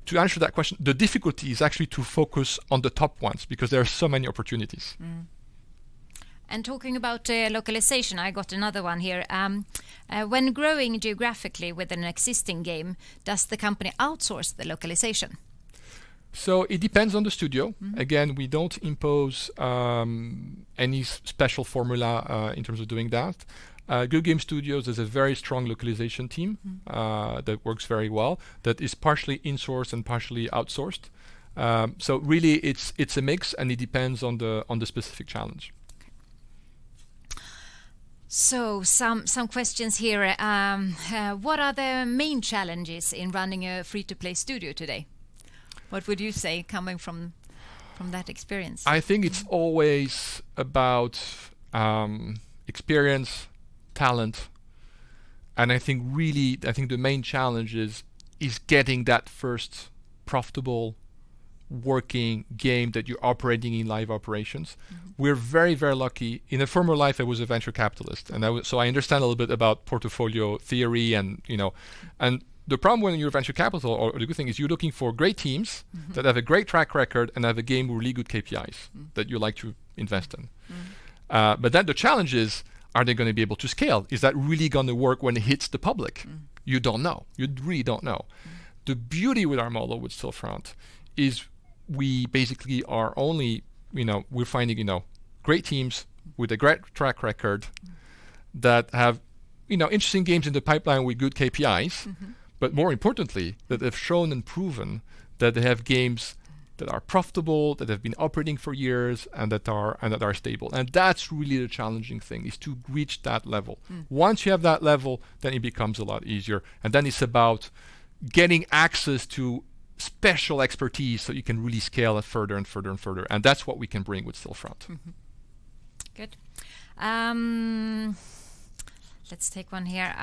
to answer that question, the difficulty is actually to focus on the top ones because there are so many opportunities. Talking about localization, I got another one here. When growing geographically with an existing game, does the company outsource the localization? It depends on the studio. Again, we don't impose any special formula in terms of doing that. Goodgame Studios has a very strong localization team that works very well, that is partially insourced and partially outsourced. Really it's a mix, and it depends on the specific challenge. Okay. Some questions here. What are the main challenges in running a free-to-play studio today? What would you say, coming from that experience? I think it's always about experience, talent, and I think the main challenge is getting that first profitable working game that you're operating in live operations. We're very lucky. In a former life, I was a venture capitalist, and so I understand a little bit about portfolio theory. The problem when you're a venture capital, or the good thing, is you're looking for great teams that have a great track record and have a game with really good KPIs that you'd like to invest in. The challenge is, are they going to be able to scale? Is that really going to work when it hits the public? You don't know. You really don't know. The beauty with our model with Stillfront is we basically are finding great teams with a great track record that have interesting games in the pipeline with good KPIs. More importantly, that they've shown and proven that they have games that are profitable, that have been operating for years, and that are stable. That's really the challenging thing, is to reach that level. Once you have that level, then it becomes a lot easier, and then it's about getting access to special expertise so you can really scale it further and further and further. That's what we can bring with Stillfront. Mm-hmm. Good. Let's take one here.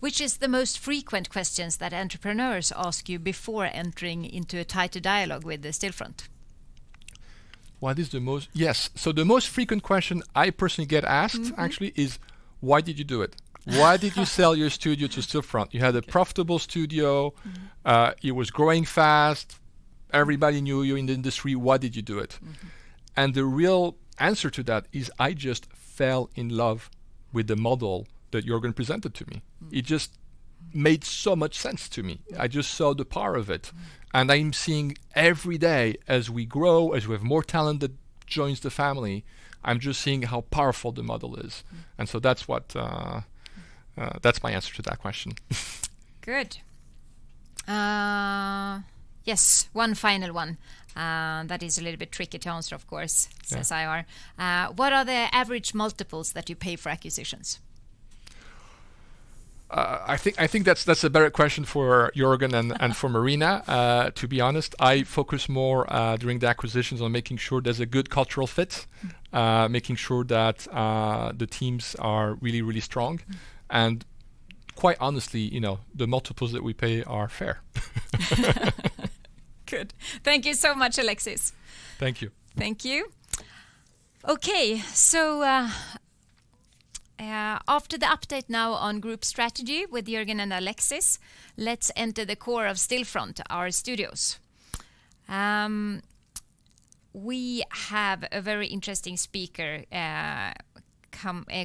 Which is the most frequent questions that entrepreneurs ask you before entering into a tighter dialogue with Stillfront? Yes, the most frequent question I personally get asked. actually is, why did you do it? Why did you sell your studio to Stillfront? You had a profitable studio. It was growing fast. Everybody knew you in the industry. Why did you do it? The real answer to that is I just fell in love with the model that Jörgen presented to me. It just made so much sense to me. I just saw the power of it. I'm seeing every day, as we grow, as we have more talent that joins the family, I'm just seeing how powerful the model is. That's my answer to that question. Good. Yes, one final one, that is a little bit tricky to answer, of course. Yeah What are the average multiples that you pay for acquisitions? I think that's a better question for Jörgen and for Marina, to be honest. I focus more during the acquisitions on making sure there's a good cultural fit. making sure that the teams are really, really strong. Quite honestly, the multiples that we pay are fair. Good. Thank you so much, Alexis. Thank you. Thank you. Okay, after the update now on group strategy with Jörgen and Alexis, let's enter the core of Stillfront, our studios. We have a very interesting speaker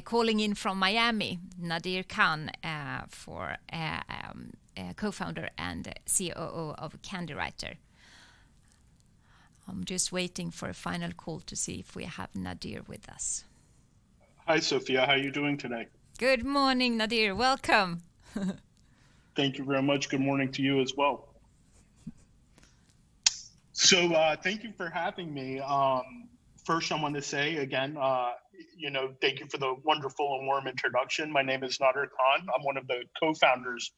calling in from Miami, Nadir Khan, Co-founder and COO of CANDYWRITER. I'm just waiting for a final call to see if we have Nadir with us. Hi, Sofia. How are you doing today? Good morning, Nadir. Welcome. Thank you very much. Good morning to you as well. Thank you for having me. First, I want to say again, thank you for the wonderful and warm introduction. My name is Nadir Khan. I'm one of the co-founders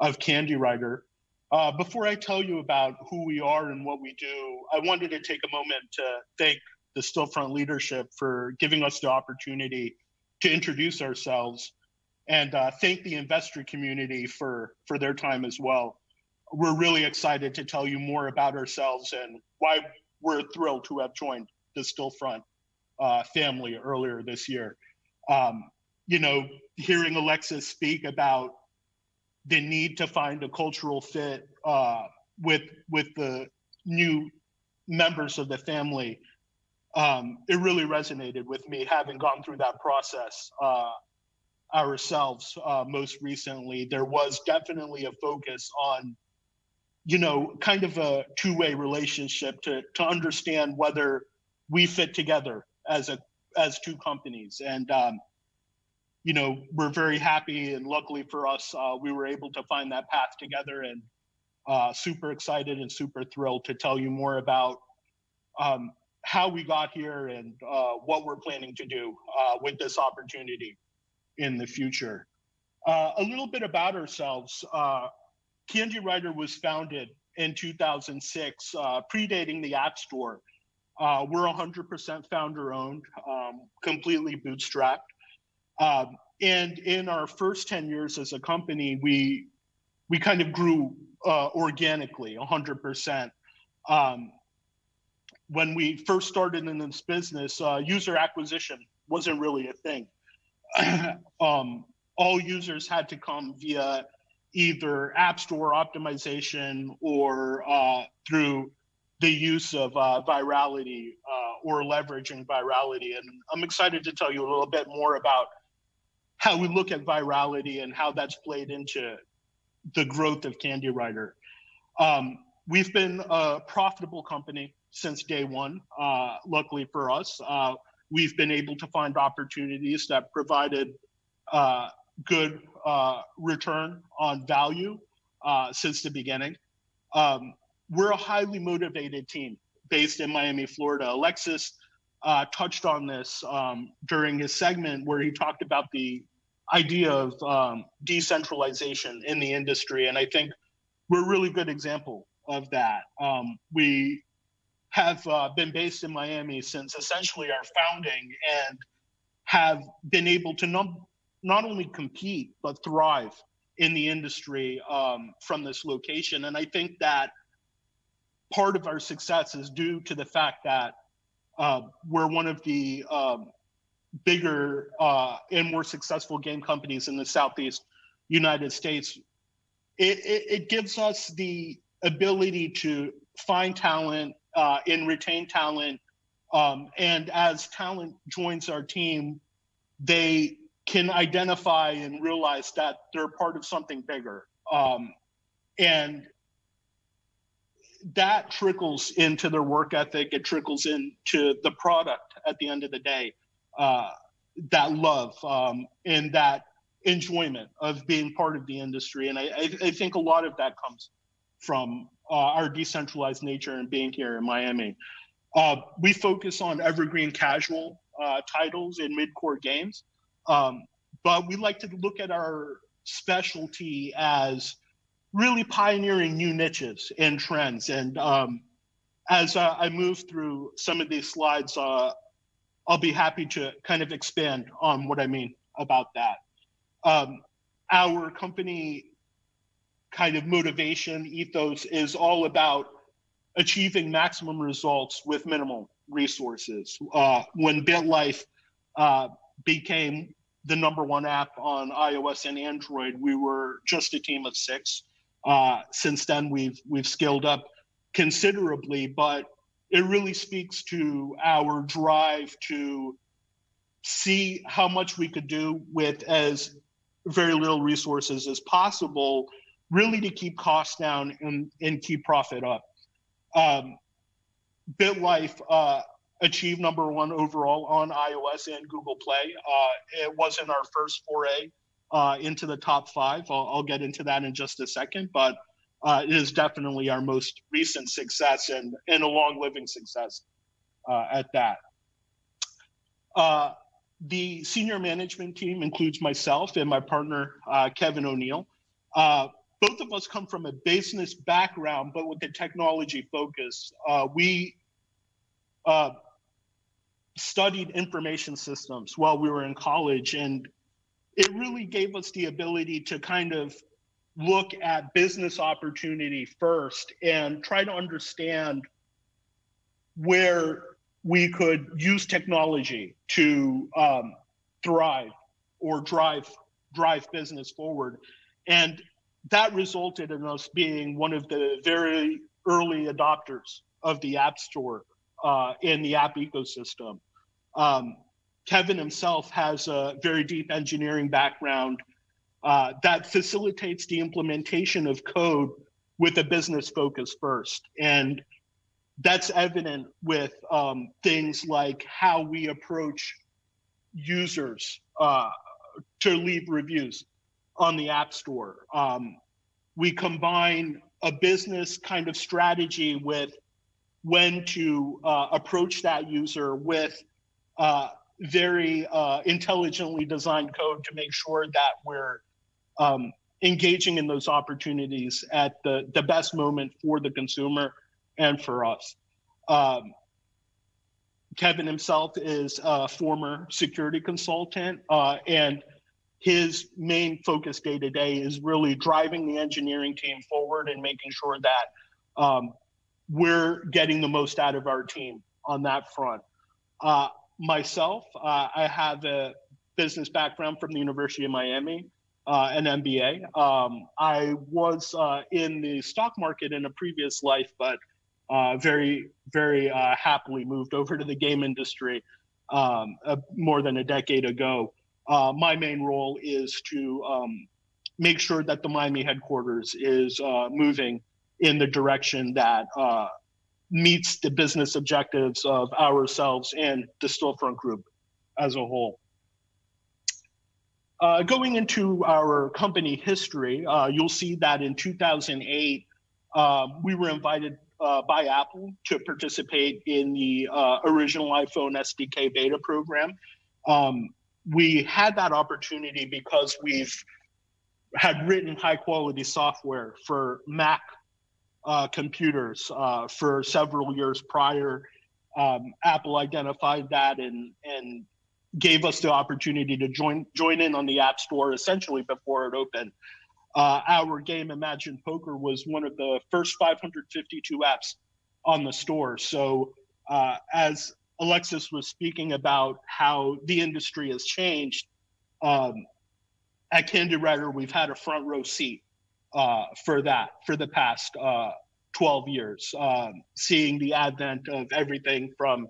of CANDYWRITER. Before I tell you about who we are and what we do, I wanted to take a moment to thank the Stillfront leadership for giving us the opportunity to introduce ourselves, and thank the investor community for their time as well. We're really excited to tell you more about ourselves and why we're thrilled to have joined the Stillfront family earlier this year. Hearing Alexis speak about the need to find a cultural fit with the new members of the family, it really resonated with me, having gone through that process ourselves most recently. There was definitely a focus on kind of a two-way relationship, to understand whether we fit together as two companies. We're very happy, and luckily for us, we were able to find that path together, and super excited and super thrilled to tell you more about how we got here and what we're planning to do with this opportunity in the future. A little bit about ourselves. CANDYWRITER was founded in 2006, predating the App Store. We're 100% founder-owned, completely bootstrapped. In our first 10 years as a company, we kind of grew organically 100%. When we first started in this business, user acquisition wasn't really a thing. All users had to come via either App Store optimization or through the use of virality, or leveraging virality. I'm excited to tell you a little bit more about how we look at virality and how that's played into the growth of CANDYWRITER. We've been a profitable company since day one, luckily for us. We've been able to find opportunities that provided good return on value since the beginning. We're a highly motivated team based in Miami, Florida. Alexis touched on this during his segment where he talked about the idea of decentralization in the industry, and I think we're a really good example of that. We have been based in Miami since essentially our founding and have been able to not only compete but thrive in the industry from this location. I think that part of our success is due to the fact that we're one of the bigger and more successful game companies in the southeast U.S. It gives us the ability to find talent and retain talent, and as talent joins our team, they can identify and realize that they're part of something bigger. That trickles into their work ethic, it trickles into the product at the end of the day, that love and that enjoyment of being part of the industry. I think a lot of that comes from our decentralized nature and being here in Miami. We focus on evergreen casual titles and mid-core games. We like to look at our specialty as really pioneering new niches and trends. As I move through some of these slides, I'll be happy to expand on what I mean about that. Our company motivation ethos is all about achieving maximum results with minimal resources. When BitLife became the number one app on iOS and Android, we were just a team of six. Since then, we've scaled up considerably, but it really speaks to our drive to see how much we could do with as very little resources as possible, really to keep costs down and keep profit up. BitLife achieved number 1 overall on iOS and Google Play. It wasn't our first foray into the top 5. I'll get into that in just a second, but it is definitely our most recent success and a long-living success at that. The senior management team includes myself and my partner, Kevin O'Neil. Both of us come from a business background, but with a technology focus. We studied information systems while we were in college, and it really gave us the ability to look at business opportunity first, and try to understand where we could use technology to thrive or drive business forward. That resulted in us being one of the very early adopters of the App Store in the app ecosystem. Kevin himself has a very deep engineering background that facilitates the implementation of code with a business focus first. That's evident with things like how we approach users to leave reviews on the App Store. We combine a business kind of strategy with when to approach that user with very intelligently designed code to make sure that we're engaging in those opportunities at the best moment for the consumer and for us. Kevin himself is a former security consultant, and his main focus day to day is really driving the engineering team forward and making sure that we're getting the most out of our team on that front. Myself, I have a business background from the University of Miami, an MBA. I was in the stock market in a previous life, very happily moved over to the game industry more than a decade ago. My main role is to make sure that the Miami headquarters is moving in the direction that meets the business objectives of ourselves and the Stillfront Group as a whole. Going into our company history, you'll see that in 2008, we were invited by Apple to participate in the original iPhone SDK beta program. We had that opportunity because we've had written high-quality software for Mac computers for several years prior. Apple identified that gave us the opportunity to join in on the App Store essentially before it opened. Our game Imagine Poker was one of the first 552 apps on the store. As Alexis was speaking about how the industry has changed, at CANDYWRITER, we've had a front row seat for that for the past 12 years. Seeing the advent of everything from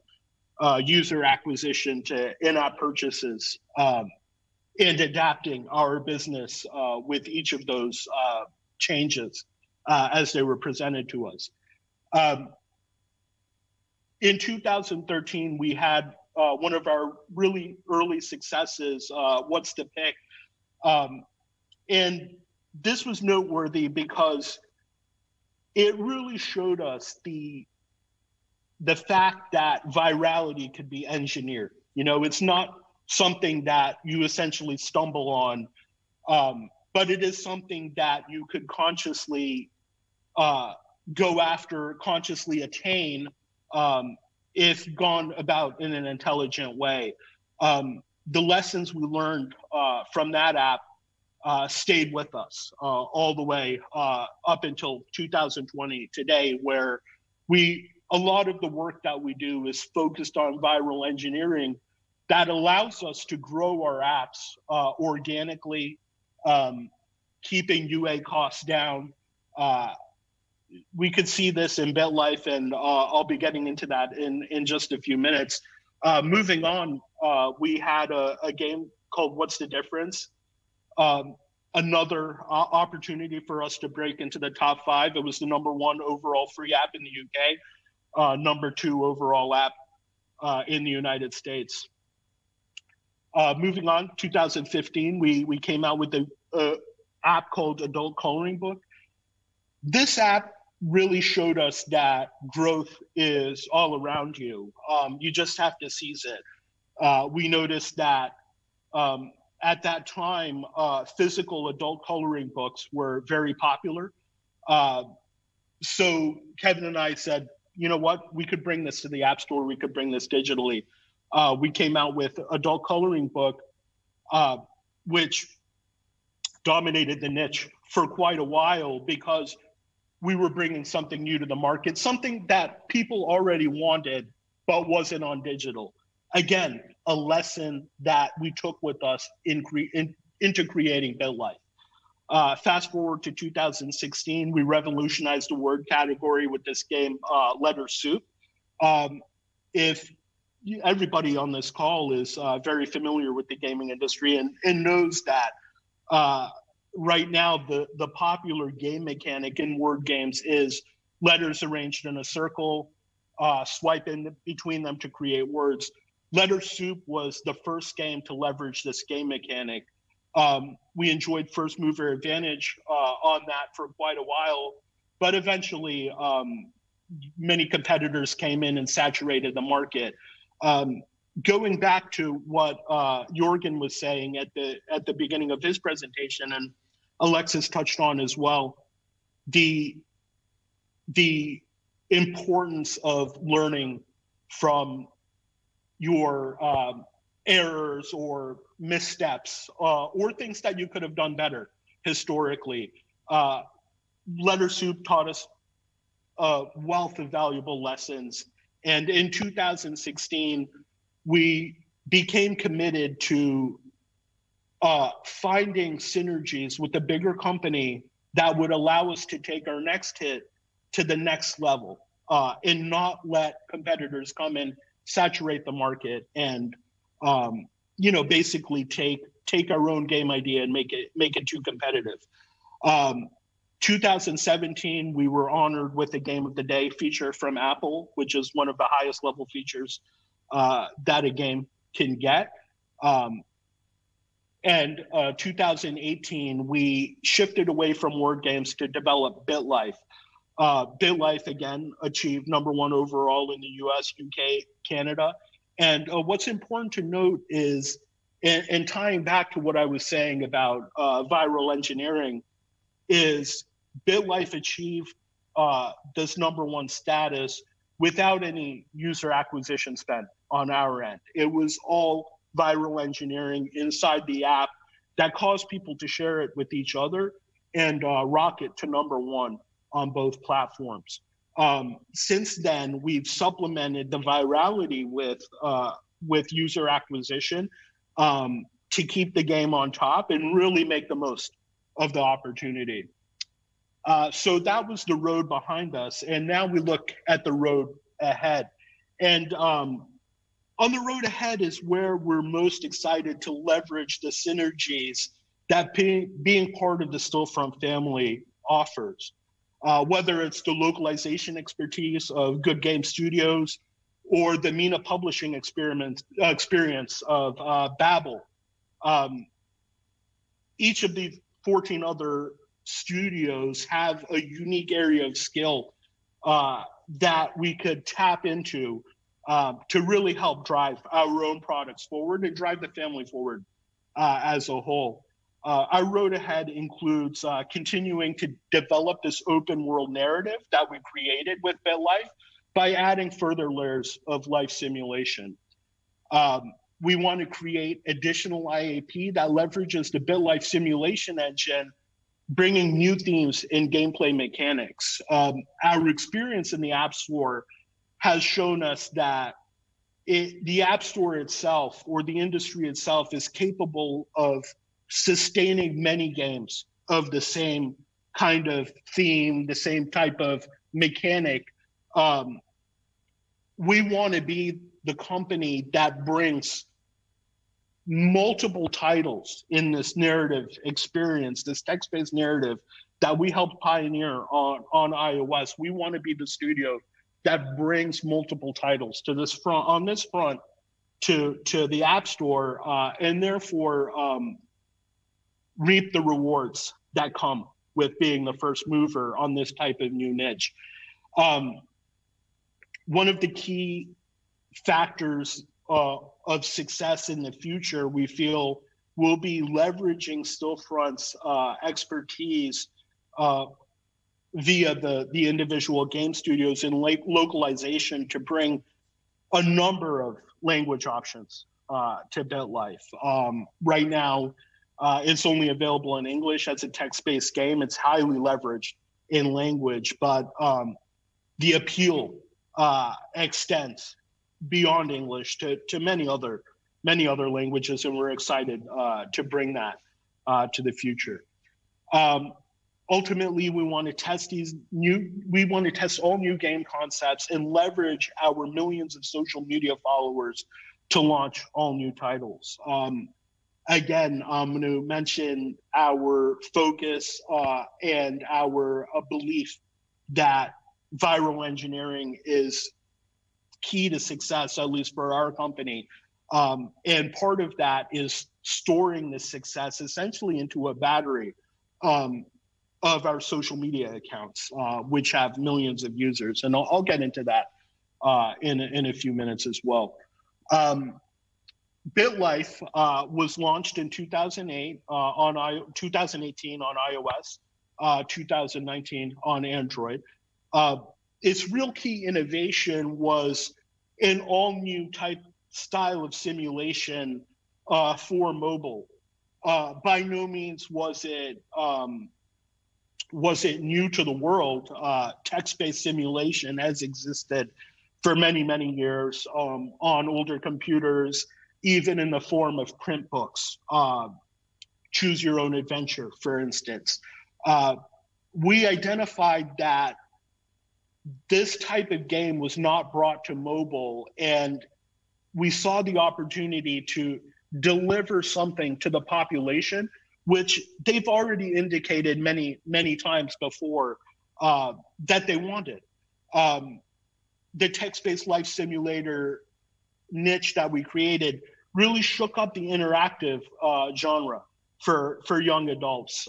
user acquisition to in-app purchases, and adapting our business with each of those changes as they were presented to us. In 2013, we had one of our really early successes, What's the Pic?. This was noteworthy because it really showed us the fact that virality could be engineered. It's not something that you essentially stumble on, but it is something that you could consciously go after, consciously attain, if gone about in an intelligent way. The lessons we learned from that app stayed with us all the way up until 2020 today, where a lot of the work that we do is focused on viral engineering that allows us to grow our apps organically, keeping UA costs down. We could see this in BitLife, and I'll be getting into that in just a few minutes. Moving on, we had a game called What's the Difference? Another opportunity for us to break into the top five. It was the number one overall free app in the U.K., number two overall app in the U.S. Moving on, 2015, we came out with an app called Adult Coloring Book. This app really showed us that growth is all around you. You just have to seize it. We noticed that at that time, physical adult coloring books were very popular. Kevin and I said, "You know what? We could bring this to the App Store. We could bring this digitally." We came out with Adult Coloring Book, which dominated the niche for quite a while because we were bringing something new to the market, something that people already wanted but wasn't on digital. Again, a lesson that we took with us into creating BitLife. Fast-forward to 2016, we revolutionized the word category with this game, Letter Soup. If everybody on this call is very familiar with the gaming industry and knows that right now the popular game mechanic in word games is letters arranged in a circle, swiping between them to create words. Letter Soup was the first game to leverage this game mechanic. We enjoyed first-mover advantage on that for quite a while, eventually, many competitors came in and saturated the market. Going back to what Jörgen was saying at the beginning of his presentation, and Alexis touched on as well, the importance of learning from your errors or missteps or things that you could have done better historically. Letter Soup taught us a wealth of valuable lessons, and in 2016, we became committed to finding synergies with a bigger company that would allow us to take our next hit to the next level and not let competitors come in, saturate the market, and basically take our own game idea and make it too competitive. 2017, we were honored with the Game of the Day feature from Apple, which is one of the highest level features that a game can get. 2018, we shifted away from word games to develop BitLife. BitLife, again, achieved number 1 overall in the U.S., U.K., Canada. What's important to note is, and tying back to what I was saying about viral engineering, is BitLife achieved this number 1 status without any user acquisition spend on our end. It was all viral engineering inside the app that caused people to share it with each other and rocket to number 1 on both platforms. Since then, we've supplemented the virality with user acquisition to keep the game on top and really make the most of the opportunity. That was the road behind us, and now we look at the road ahead. On the road ahead is where we're most excited to leverage the synergies that being part of the Stillfront family offers, whether it's the localization expertise of Goodgame Studios or the MENA publishing experience of Babil Games. Each of the 14 other studios have a unique area of skill that we could tap into to really help drive our own products forward and drive the family forward as a whole. Our road ahead includes continuing to develop this open world narrative that we created with BitLife by adding further layers of life simulation. We want to create additional IAP that leverages the BitLife simulation engine, bringing new themes and gameplay mechanics. Our experience in the App Store has shown us that the App Store itself or the industry itself is capable of sustaining many games of the same kind of theme, the same type of mechanic. We want to be the company that brings multiple titles in this narrative experience, this text-based narrative that we helped pioneer on iOS. We want to be the studio that brings multiple titles on this front to the App Store, and therefore, reap the rewards that come with being the first mover on this type of new niche. One of the key factors of success in the future, we feel, will be leveraging Stillfront's expertise via the individual game studios in localization to bring a number of language options to BitLife. Right now, it's only available in English as a text-based game. It's highly leveraged in language, but the appeal extends beyond English to many other languages, and we're excited to bring that to the future. Ultimately, we want to test all new game concepts and leverage our millions of social media followers to launch all new titles. Again, I'm going to mention our focus, and our belief that viral engineering is key to success, at least for our company. Part of that is storing the success essentially into a battery of our social media accounts, which have millions of users. I'll get into that in a few minutes as well. BitLife was launched in 2018 on iOS, 2019 on Android. Its real key innovation was an all-new type style of simulation for mobile. By no means was it new to the world. Text-based simulation has existed for many, many years on older computers, even in the form of print books. Choose Your Own Adventure, for instance. We identified that this type of game was not brought to mobile, and we saw the opportunity to deliver something to the population, which they've already indicated many, many times before that they wanted. The text-based life simulator niche that we created really shook up the interactive genre for young adults.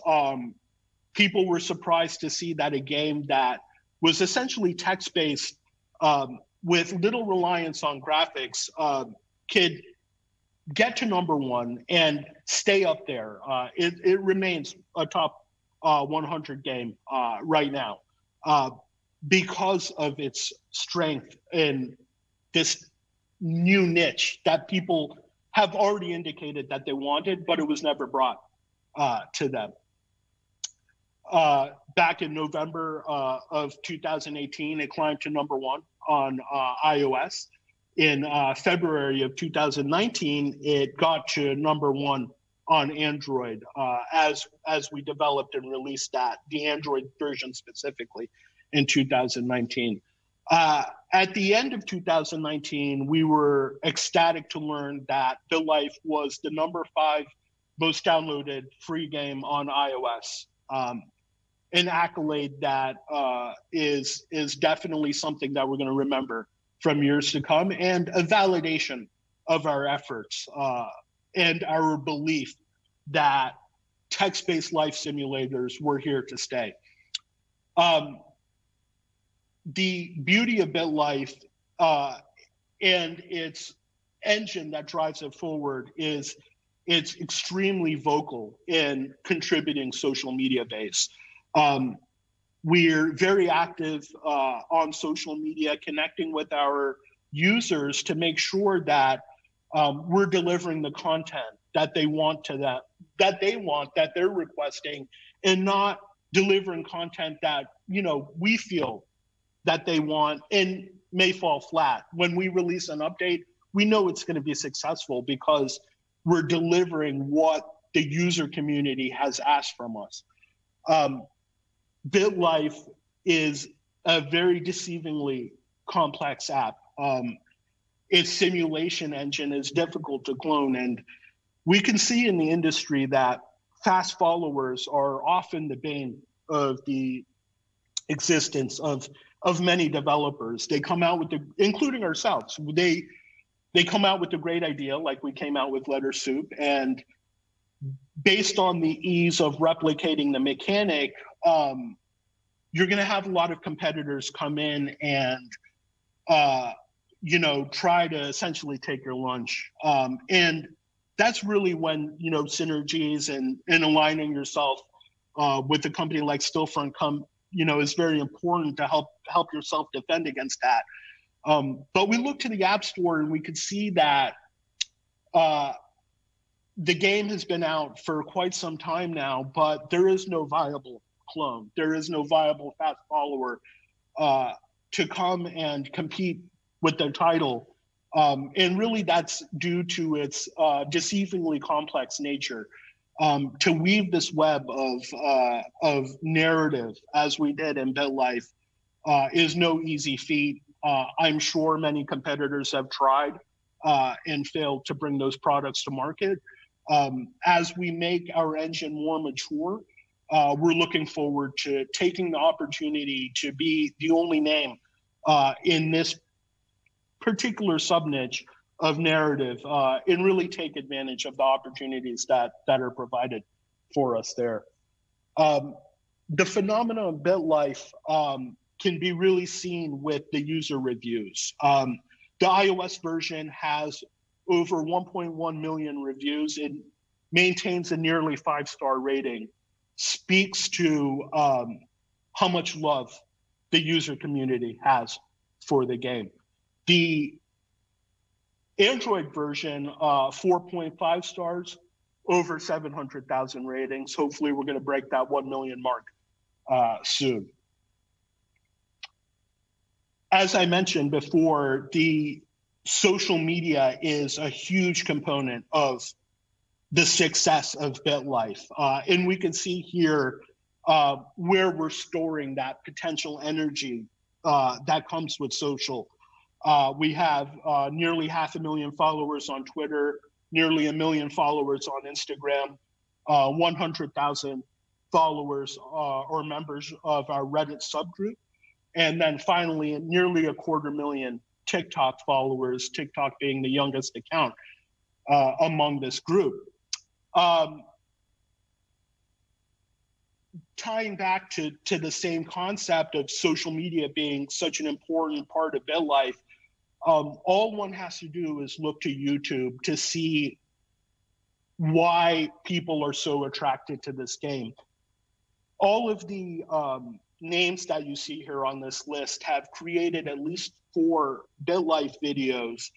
People were surprised to see that a game that was essentially text-based, with little reliance on graphics, could get to number 1 and stay up there. It remains a top 100 game right now because of its strength in this new niche that people have already indicated that they wanted, but it was never brought to them. Back in November of 2018, it climbed to number 1 on iOS. In February of 2019, it got to number 1 on Android, as we developed and released that, the Android version specifically in 2019. At the end of 2019, we were ecstatic to learn that BitLife was the number 5 most downloaded free game on iOS, an accolade that is definitely something that we're going to remember for years to come, and a validation of our efforts and our belief that text-based life simulators were here to stay. The beauty of BitLife, and its engine that drives it forward is it's extremely vocal in contributing social media base. We're very active on social media, connecting with our users to make sure that we're delivering the content that they want, that they're requesting, and not delivering content that we feel that they want and may fall flat. When we release an update, we know it's going to be successful because we're delivering what the user community has asked from us. BitLife is a very deceivingly complex app. Its simulation engine is difficult to clone, we can see in the industry that fast followers are often the bane of the existence of many developers, including ourselves. They come out with a great idea, like we came out with Letter Soup. Based on the ease of replicating the mechanic, you're going to have a lot of competitors come in and try to essentially take your lunch. That's really when synergies and aligning yourself with a company like Stillfront is very important to help yourself defend against that. We look to the App Store and we could see that the game has been out for quite some time now, but there is no viable clone. There is no viable fast follower to come and compete with the title. Really that's due to its deceivingly complex nature. To weave this web of narrative as we did in BitLife is no easy feat. I'm sure many competitors have tried and failed to bring those products to market. As we make our engine more mature, we're looking forward to taking the opportunity to be the only name in this particular sub-niche of narrative, and really take advantage of the opportunities that are provided for us there. The phenomena of BitLife can be really seen with the user reviews. The iOS version has over 1.1 million reviews and maintains a nearly five-star rating, speaks to how much love the user community has for the game. The Android version, 4.5 stars, over 700,000 ratings. Hopefully, we're going to break that 1 million mark soon. As I mentioned before, the social media is a huge component of the success of BitLife. We can see here where we're storing that potential energy that comes with social. We have nearly half a million followers on Twitter, nearly a million followers on Instagram, 100,000 followers or members of our Reddit subgroup, and then finally, nearly a quarter million TikTok followers, TikTok being the youngest account among this group. Tying back to the same concept of social media being such an important part of BitLife, all one has to do is look to YouTube to see why people are so attracted to this game. All of the names that you see here on this list have created at least four BitLife videos,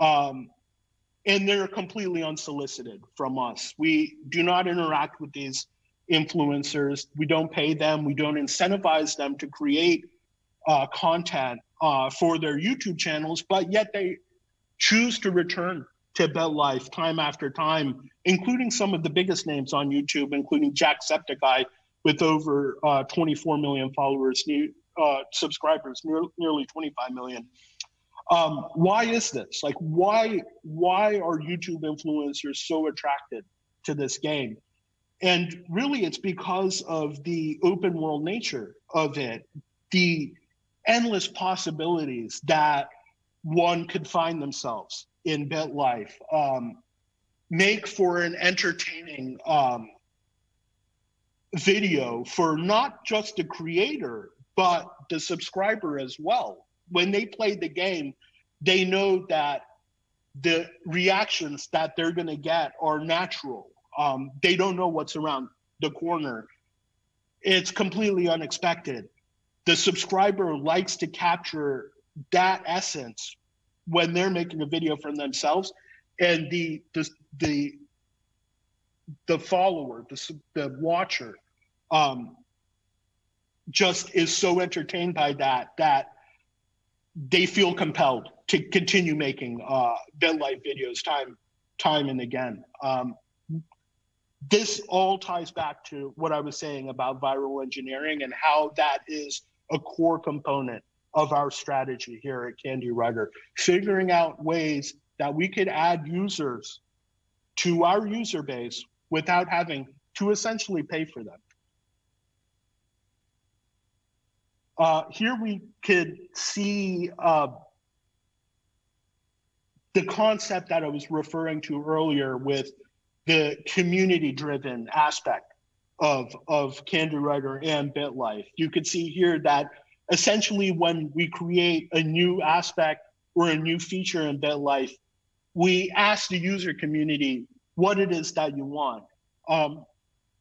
and they're completely unsolicited from us. We do not interact with these influencers. We don't pay them, we don't incentivize them to create content for their YouTube channels, yet they choose to return to BitLife time after time, including some of the biggest names on YouTube, including Jacksepticeye, with over 24 million followers, subscribers, nearly 25 million. Why is this? Why are YouTube influencers so attracted to this game? Really it's because of the open world nature of it, the endless possibilities that one could find themselves in BitLife make for an entertaining video, for not just the creator but the subscriber as well. When they play the game, they know that the reactions that they're going to get are natural. They don't know what's around the corner. It's completely unexpected. The subscriber likes to capture that essence when they're making a video for themselves, and the follower, the watcher, just is so entertained by that they feel compelled to continue making BitLife videos time and again. This all ties back to what I was saying about viral engineering and how that is a core component of our strategy here at CANDYWRITER, figuring out ways that we could add users to our user base without having to essentially pay for them. Here we could see the concept that I was referring to earlier with the community-driven aspect of CANDYWRITER and BitLife. You could see here that essentially when we create a new aspect or a new feature in BitLife, we ask the user community what it is that you want.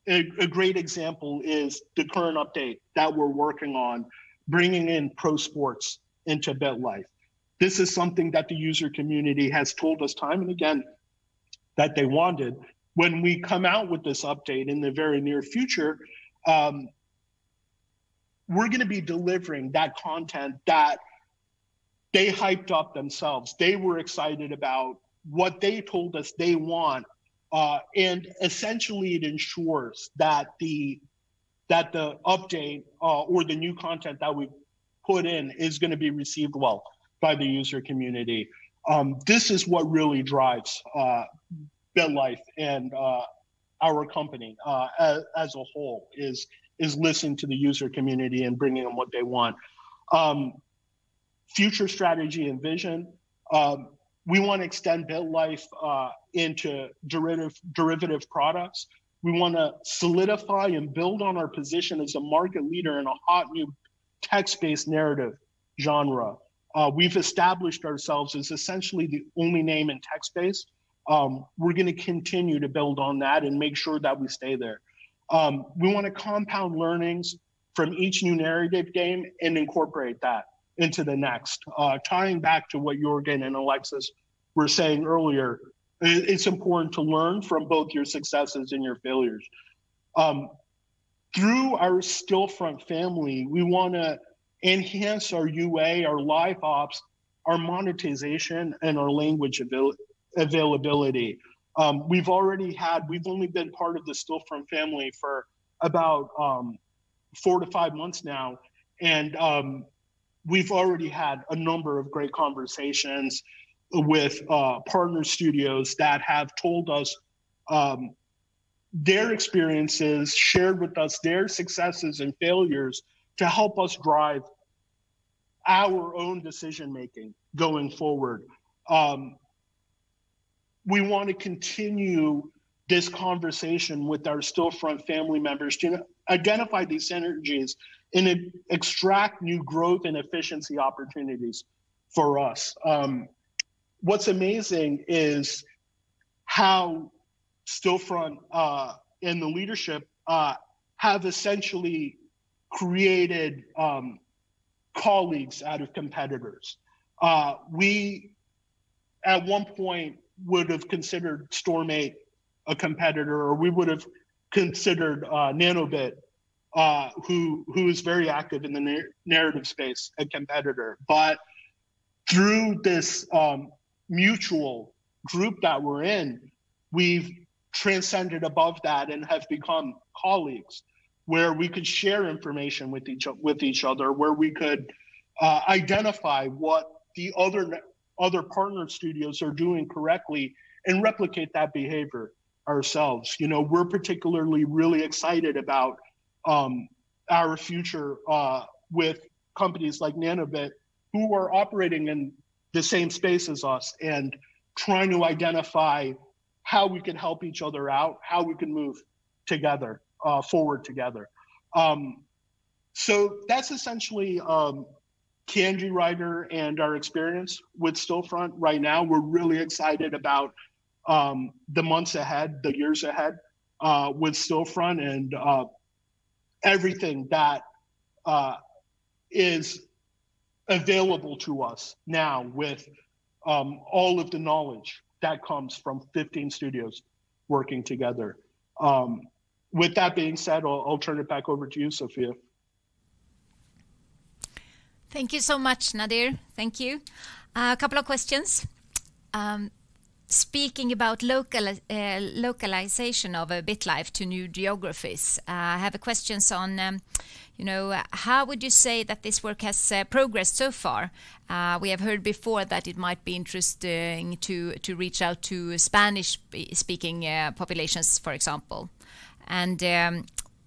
A great example is the current update that we're working on, bringing in pro sports into BitLife. This is something that the user community has told us time and again that they wanted. When we come out with this update in the very near future, we're going to be delivering that content that they hyped up themselves. They were excited about what they told us they want. Essentially, it ensures that the update or the new content that we put in is going to be received well by the user community. This is what really drives BitLife and our company as a whole is listening to the user community and bringing them what they want. Future strategy and vision. We want to extend BitLife into derivative products. We want to solidify and build on our position as a market leader in a hot new text-based narrative genre. We've established ourselves as essentially the only name in text-based. We're going to continue to build on that and make sure that we stay there. We want to compound learnings from each new narrative game and incorporate that into the next. Tying back to what Jörgen and Alexis were saying earlier, it's important to learn from both your successes and your failures. Through our Stillfront family, we want to enhance our UA, our Live Ops, our monetization, and our language availability. We've only been part of the Stillfront family for about four to five months now, and we've already had a number of great conversations with partner studios that have told us their experiences, shared with us their successes and failures to help us drive our own decision-making going forward. We want to continue this conversation with our Stillfront family members to identify these synergies and extract new growth and efficiency opportunities for us. What's amazing is how Stillfront and the leadership have essentially created colleagues out of competitors. We at one point would've considered Storm8 a competitor, or we would've considered Nanobit, who is very active in the narrative space, a competitor. Through this mutual group that we're in, we've transcended above that and have become colleagues, where we could share information with each other, where we could identify what the other partnered studios are doing correctly and replicate that behavior ourselves. We're particularly really excited about our future with companies like Nanobit who are operating in the same space as us and trying to identify how we can help each other out, how we can move forward together. That's essentially CANDYWRITER and our experience with Stillfront right now. We're really excited about the months ahead, the years ahead, with Stillfront and everything that is available to us now with all of the knowledge that comes from 15 studios working together. With that being said, I'll turn it back over to you, Sofia. Thank you so much, Nadir. Thank you. A couple of questions. Speaking about localization of BitLife to new geographies, I have questions on how would you say that this work has progressed so far? We have heard before that it might be interesting to reach out to Spanish-speaking populations, for example.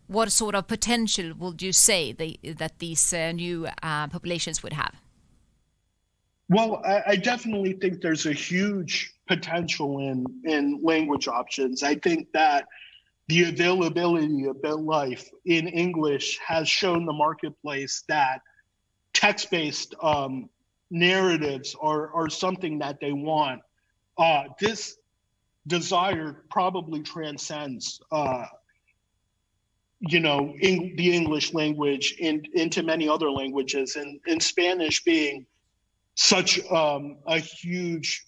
What sort of potential would you say that these new populations would have? Well, I definitely think there's a huge potential in language options. I think that the availability of BitLife in English has shown the marketplace that text-based narratives are something that they want. This desire probably transcends the English language into many other languages, and Spanish being such a huge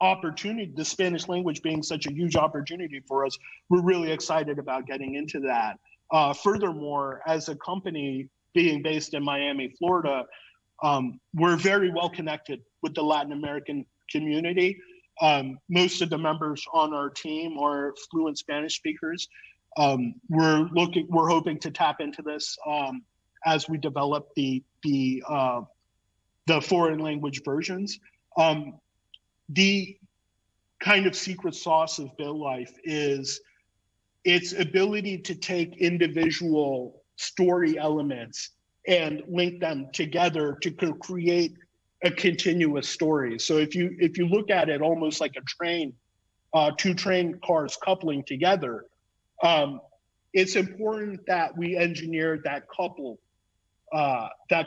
opportunity, the Spanish language being such a huge opportunity for us, we're really excited about getting into that. Furthermore, as a company being based in Miami, Florida, we're very well-connected with the Latin American community. Most of the members on our team are fluent Spanish speakers. We're hoping to tap into this as we develop the foreign language versions. The kind of secret sauce of BitLife is its ability to take individual story elements and link them together to create a continuous story. If you look at it almost like a train, two train cars coupling together, it's important that we engineer that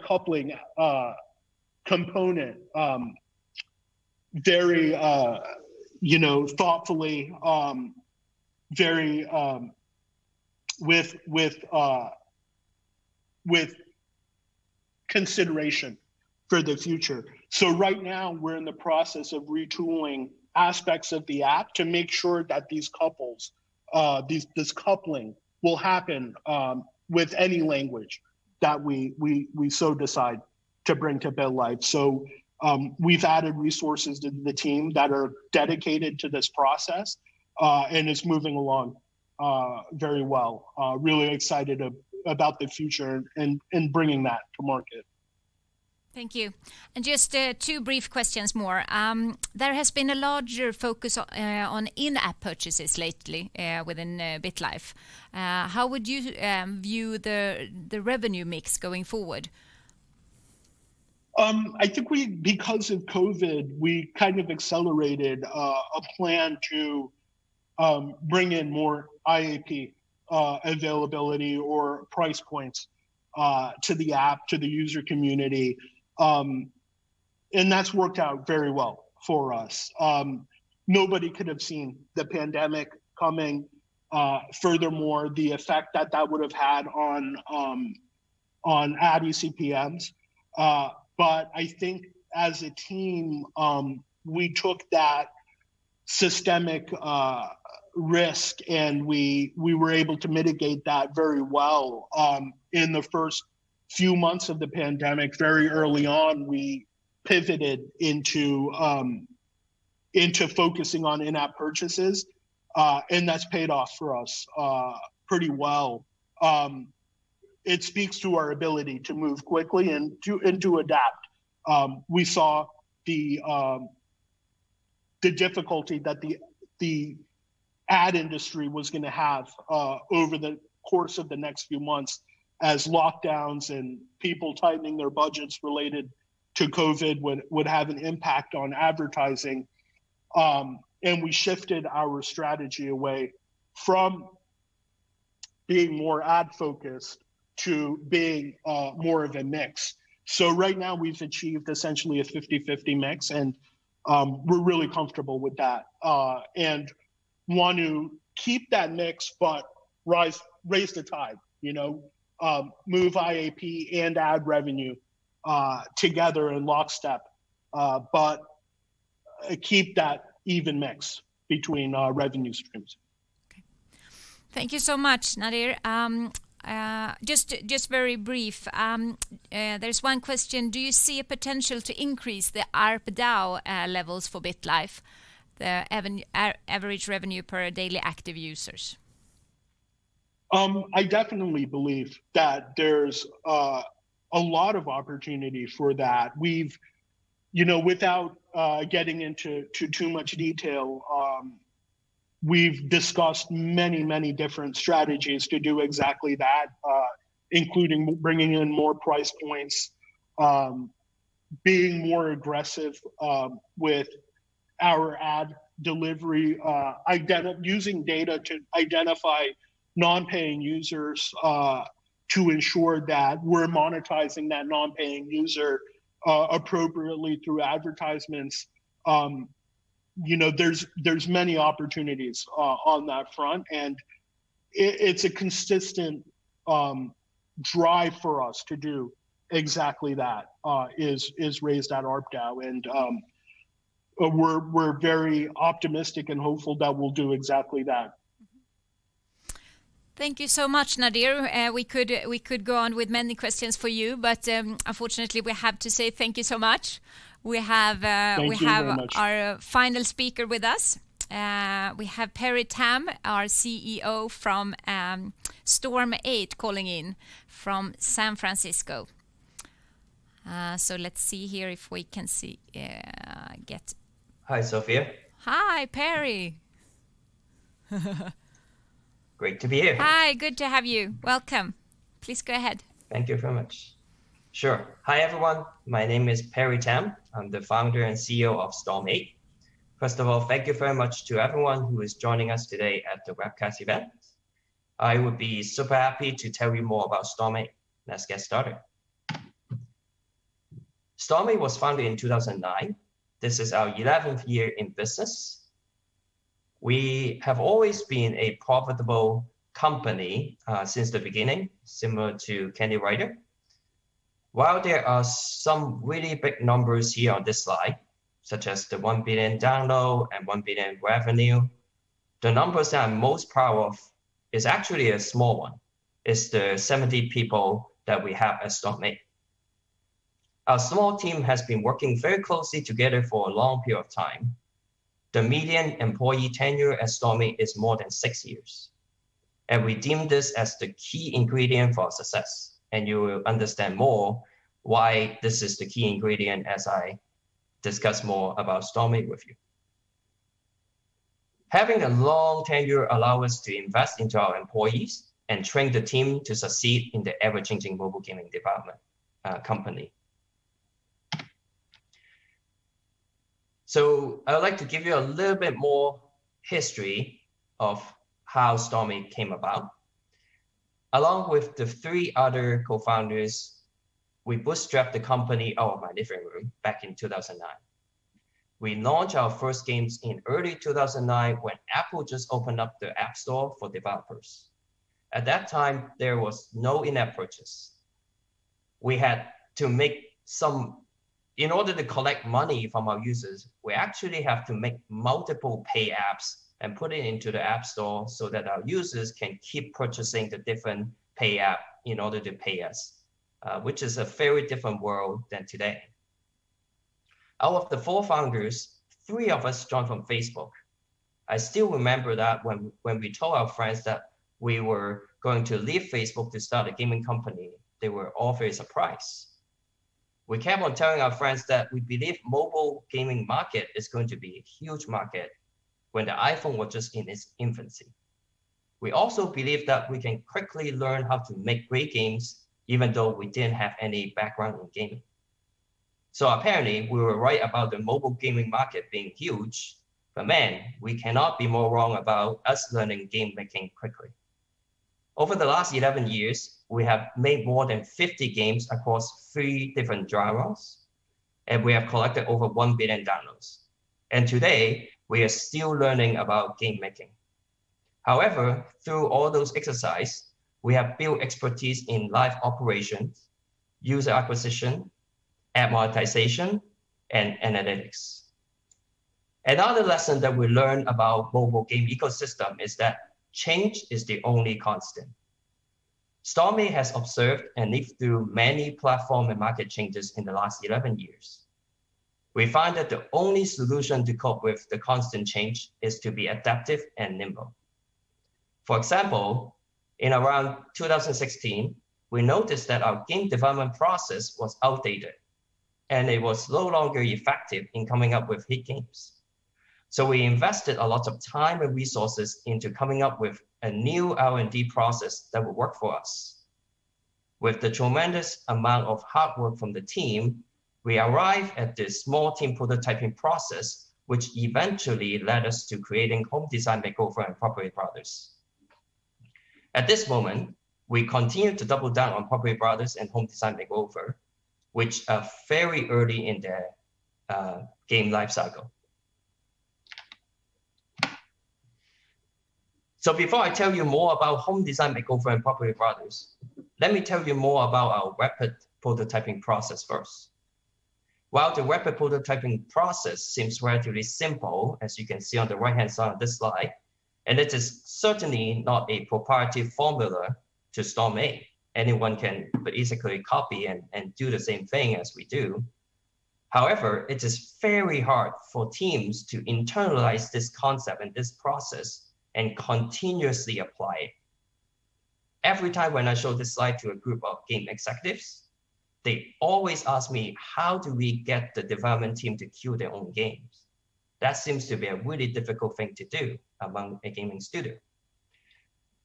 coupling component very thoughtfully, very with consideration for the future. Right now we're in the process of retooling aspects of the app to make sure that these couplings will happen with any language that we decide to bring to BitLife. We've added resources to the team that are dedicated to this process, and it's moving along very well. We are really excited about the future and bringing that to market. Thank you. Just two brief questions more. There has been a larger focus on in-app purchases lately within BitLife. How would you view the revenue mix going forward? I think because of COVID, we kind of accelerated a plan to bring in more IAP availability or price points to the app, to the user community. That's worked out very well for us. Nobody could have seen the pandemic coming, furthermore, the effect that that would've had on ad eCPMs. I think as a team, we took that systemic risk, and we were able to mitigate that very well in the first few months of the pandemic. Very early on, we pivoted into focusing on in-app purchases, and that's paid off for us pretty well. It speaks to our ability to move quickly and to adapt. We saw the difficulty that the ad industry was going to have over the course of the next few months as lockdowns and people tightening their budgets related to COVID would have an impact on advertising, and we shifted our strategy away from being more ad-focused to being more of a mix. Right now we've achieved essentially a 50/50 mix, and we're really comfortable with that. Want to keep that mix, but raise the tide. Move IAP and ad revenue together in lockstep, but keep that even mix between our revenue streams. Okay. Thank you so much, Nadir. Just very brief, there's one question. Do you see a potential to increase the ARPDAU levels for BitLife, the average revenue per daily active users? I definitely believe that there's a lot of opportunity for that. Without getting into too much detail, we've discussed many different strategies to do exactly that, including bringing in more price points, being more aggressive with our ad delivery, using data to identify non-paying users to ensure that we're monetizing that non-paying user appropriately through advertisements. There's many opportunities on that front, and it's a consistent drive for us to do exactly that, is raise that ARPDAU, and we're very optimistic and hopeful that we'll do exactly that. Thank you so much, Nadir. We could go on with many questions for you, but unfortunately, we have to say thank you so much. Thank you very much. our final speaker with us. We have Perry Tam, our CEO from Storm8 calling in from San Francisco. Hi, Sofia. Hi, Perry. Great to be here. Hi, good to have you. Welcome. Please go ahead. Thank you very much. Sure. Hi, everyone. My name is Perry Tam. I'm the founder and CEO of Storm8. First of all, thank you very much to everyone who is joining us today at the webcast event. I would be super happy to tell you more about Storm8. Let's get started. Storm8 was founded in 2009. This is our 11th year in business. We have always been a profitable company since the beginning, similar to CANDYWRITER. While there are some really big numbers here on this slide, such as the 1 billion download and 1 billion revenue, the numbers that I'm most proud of is actually a small one, is the 70 people that we have at Storm8. Our small team has been working very closely together for a long period of time. The median employee tenure at Storm8 is more than six years, and we deem this as the key ingredient for our success, and you will understand more why this is the key ingredient as I discuss more about Storm8 with you. Having a long tenure allow us to invest into our employees and train the team to succeed in the ever-changing mobile gaming development company. I would like to give you a little bit more history of how Storm8 came about. Along with the three other co-founders, we bootstrapped the company out of my living room back in 2009. We launched our first games in early 2009 when Apple just opened up their App Store for developers. At that time, there was no in-app purchase. In order to collect money from our users, we actually have to make multiple pay apps and put it into the App Store so that our users can keep purchasing the different pay app in order to pay us, which is a very different world than today. Out of the four founders, three of us joined from Facebook. I still remember that when we told our friends that we were going to leave Facebook to start a gaming company, they were all very surprised. We kept on telling our friends that we believe mobile gaming market is going to be a huge market when the iPhone was just in its infancy. We also believe that we can quickly learn how to make great games even though we didn't have any background in gaming. Apparently, we were right about the mobile gaming market being huge, but man, we cannot be more wrong about us learning game making quickly. Over the last 11 years, we have made more than 50 games across three different genres, and we have collected over one billion downloads. Today, we are still learning about game making. However, through all those exercises, we have built expertise in Live Operations, user acquisition, ad monetization, and analytics. Another lesson that we learned about mobile game ecosystem is that change is the only constant. Storm8 has observed and lived through many platform and market changes in the last 11 years. We find that the only solution to cope with the constant change is to be adaptive and nimble. For example, in around 2016, we noticed that our game development process was outdated, and it was no longer effective in coming up with hit games. We invested a lot of time and resources into coming up with a new R&D process that would work for us. With the tremendous amount of hard work from the team, we arrived at this small team prototyping process, which eventually led us to creating Home Design Makeover and Property Brothers. At this moment, we continue to double down on "Property Brothers" and "Home Design Makeover," which are very early in their game life cycle. Before I tell you more about "Home Design Makeover" and "Property Brothers," let me tell you more about our rapid prototyping process first. While the rapid prototyping process seems relatively simple, as you can see on the right-hand side of this slide, and it is certainly not a proprietary formula to Storm8. Anyone can easily copy and do the same thing as we do. However, it is very hard for teams to internalize this concept and this process, and continuously apply it. Every time when I show this slide to a group of game executives, they always ask me, "How do we get the development team to kill their own games?" That seems to be a really difficult thing to do among a gaming studio.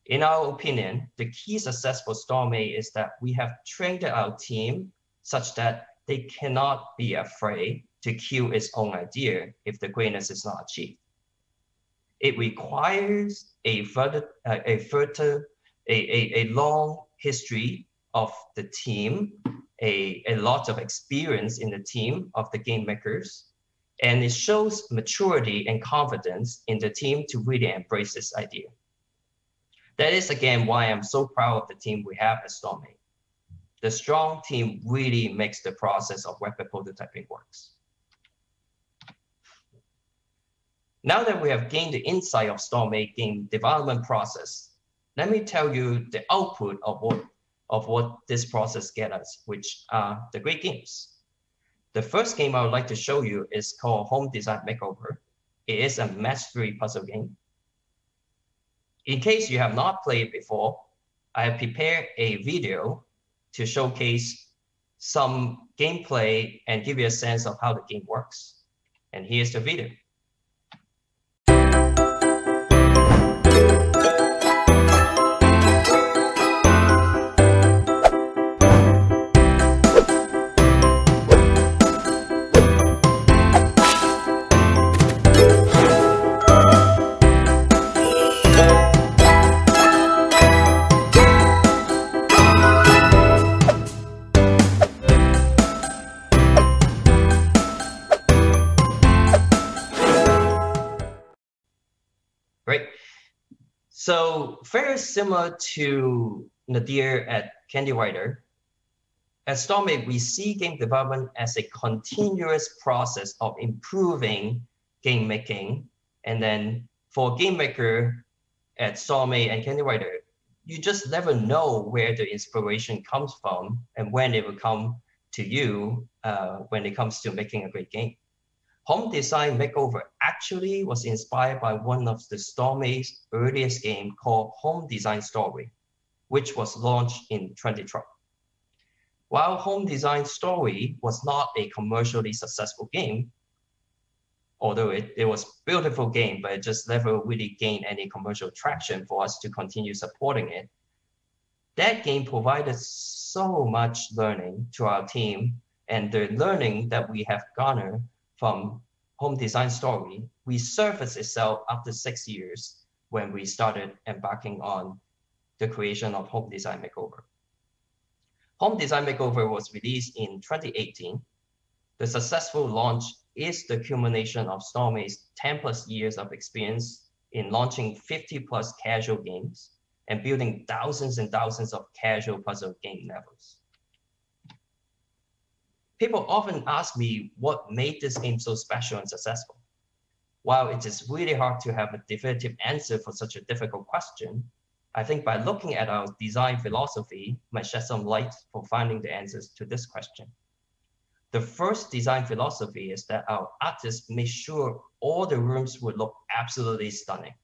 In our opinion, the key success for Storm8 is that we have trained our team such that they cannot be afraid to kill its own idea if the greatness is not achieved. It requires a long history of the team, a lot of experience in the team of the game makers, and it shows maturity and confidence in the team to really embrace this idea. That is, again, why I'm so proud of the team we have at Storm8. The strong team really makes the process of rapid prototyping works. Now that we have gained the insight of Storm8 game development process, let me tell you the output of what this process get us, which are the great games. The first game I would like to show you is called "Home Design Makeover." It is a match-three puzzle game. In case you have not played before, I have prepared a video to showcase some gameplay and give you a sense of how the game works. Here is the video. Great. Very similar to Nadir at CANDYWRITER, at Storm8, we see game development as a continuous process of improving game making. For a game maker at Storm8 and CANDYWRITER, you just never know where the inspiration comes from and when it will come to you, when it comes to making a great game. "Home Design Makeover" actually was inspired by one of Storm8's earliest game called "Home Design Story," which was launched in 2012. While "Home Design Story" was not a commercially successful game, although it was beautiful game, but it just never really gained any commercial traction for us to continue supporting it. That game provided so much learning to our team, and the learning that we have garnered from Home Design Story, resurfaced itself after six years when we started embarking on the creation of Home Design Makeover. Home Design Makeover was released in 2018. The successful launch is the culmination of Storm8's 10 plus years of experience in launching 50 plus casual games, and building thousands and thousands of casual puzzle game levels. People often ask me what made this game so special and successful. While it is really hard to have a definitive answer for such a difficult question, I think by looking at our design philosophy might shed some light for finding the answers to this question. The first design philosophy is that our artists made sure all the rooms would look absolutely stunning.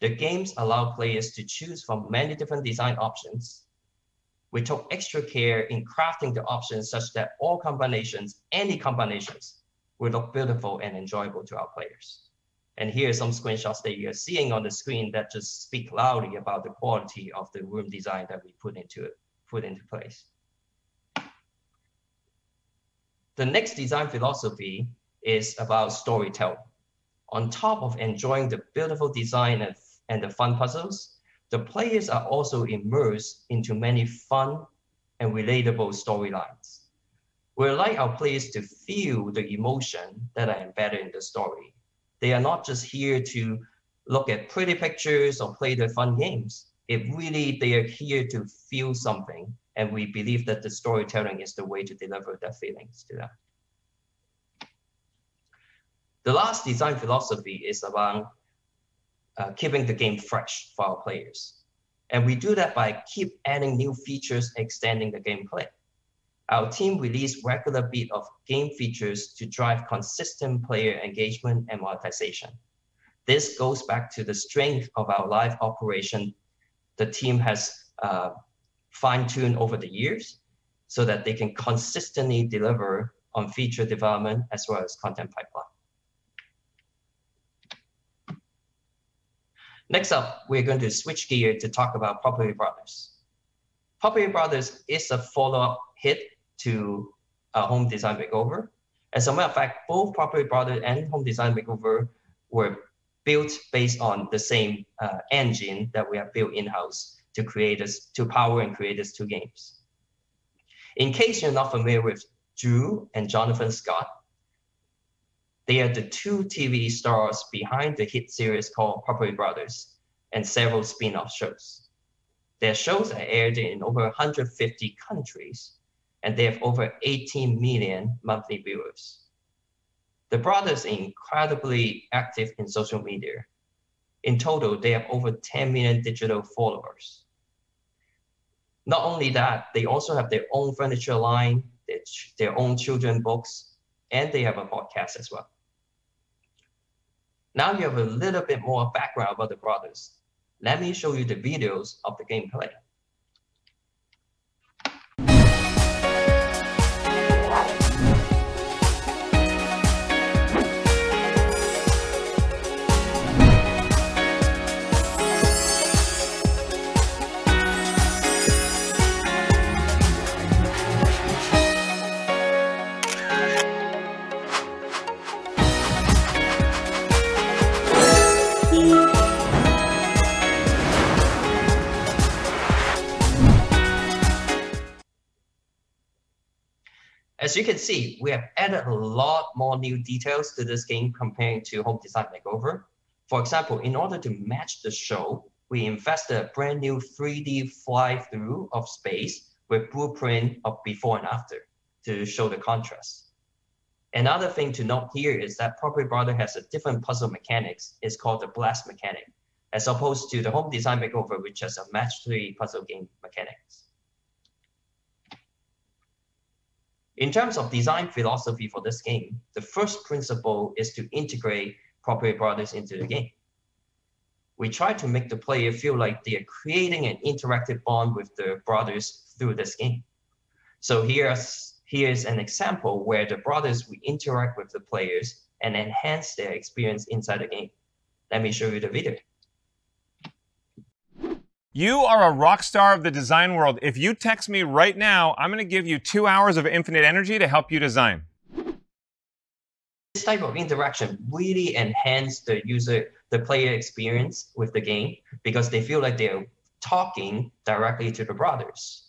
The games allow players to choose from many different design options. We took extra care in crafting the options such that all combinations, any combinations, would look beautiful and enjoyable to our players. Here are some screenshots that you are seeing on the screen that just speak loudly about the quality of the room design that we put into place. The next design philosophy is about storytelling. On top of enjoying the beautiful design and the fun puzzles, the players are also immersed into many fun and relatable storylines. We like our players to feel the emotion that are embedded in the story. They are not just here to look at pretty pictures or play the fun games. If really they are here to feel something. We believe that the storytelling is the way to deliver the feelings to them. The last design philosophy is around keeping the game fresh for our players, we do that by keep adding new features, extending the game play. Our team release regular bit of game features to drive consistent player engagement and monetization. This goes back to the strength of our live operation the team has fine-tuned over the years so that they can consistently deliver on feature development as well as content pipeline. Next up, we're going to switch gear to talk about "Property Brothers." Property Brothers is a follow-up hit to our Home Design Makeover. As a matter of fact, both Property Brother and Home Design Makeover were built based on the same engine that we have built in-house to power and create these two games. In case you're not familiar with Drew and Jonathan Scott, they are the two TV stars behind the hit series called "Property Brothers," and several spinoff shows. Their shows are aired in over 150 countries, and they have over 18 million monthly viewers. The brothers are incredibly active in social media. In total, they have over 10 million digital followers. Not only that, they also have their own furniture line, their own children's books, and they have a podcast as well. Now you have a little bit more background about the brothers. Let me show you the videos of the gameplay. As you can see, we have added a lot more new details to this game compared to Home Design Makeover. For example, in order to match the show, we invested a brand-new 3D fly-through of space with blueprint of before and after to show the contrast. Another thing to note here is that Property Brothers has a different puzzle mechanics, it's called the blast mechanic, as opposed to the Home Design Makeover, which has a match-three puzzle game mechanics. In terms of design philosophy for this game, the first principle is to integrate Property Brothers into the game. We try to make the player feel like they are creating an interactive bond with the brothers through this game. Here is an example where the brothers will interact with the players and enhance their experience inside the game. Let me show you the video. You are a rock star of the design world. If you text me right now, I'm going to give you two hours of infinite energy to help you design. This type of interaction really enhances the player experience with the game because they feel like they're talking directly to the brothers.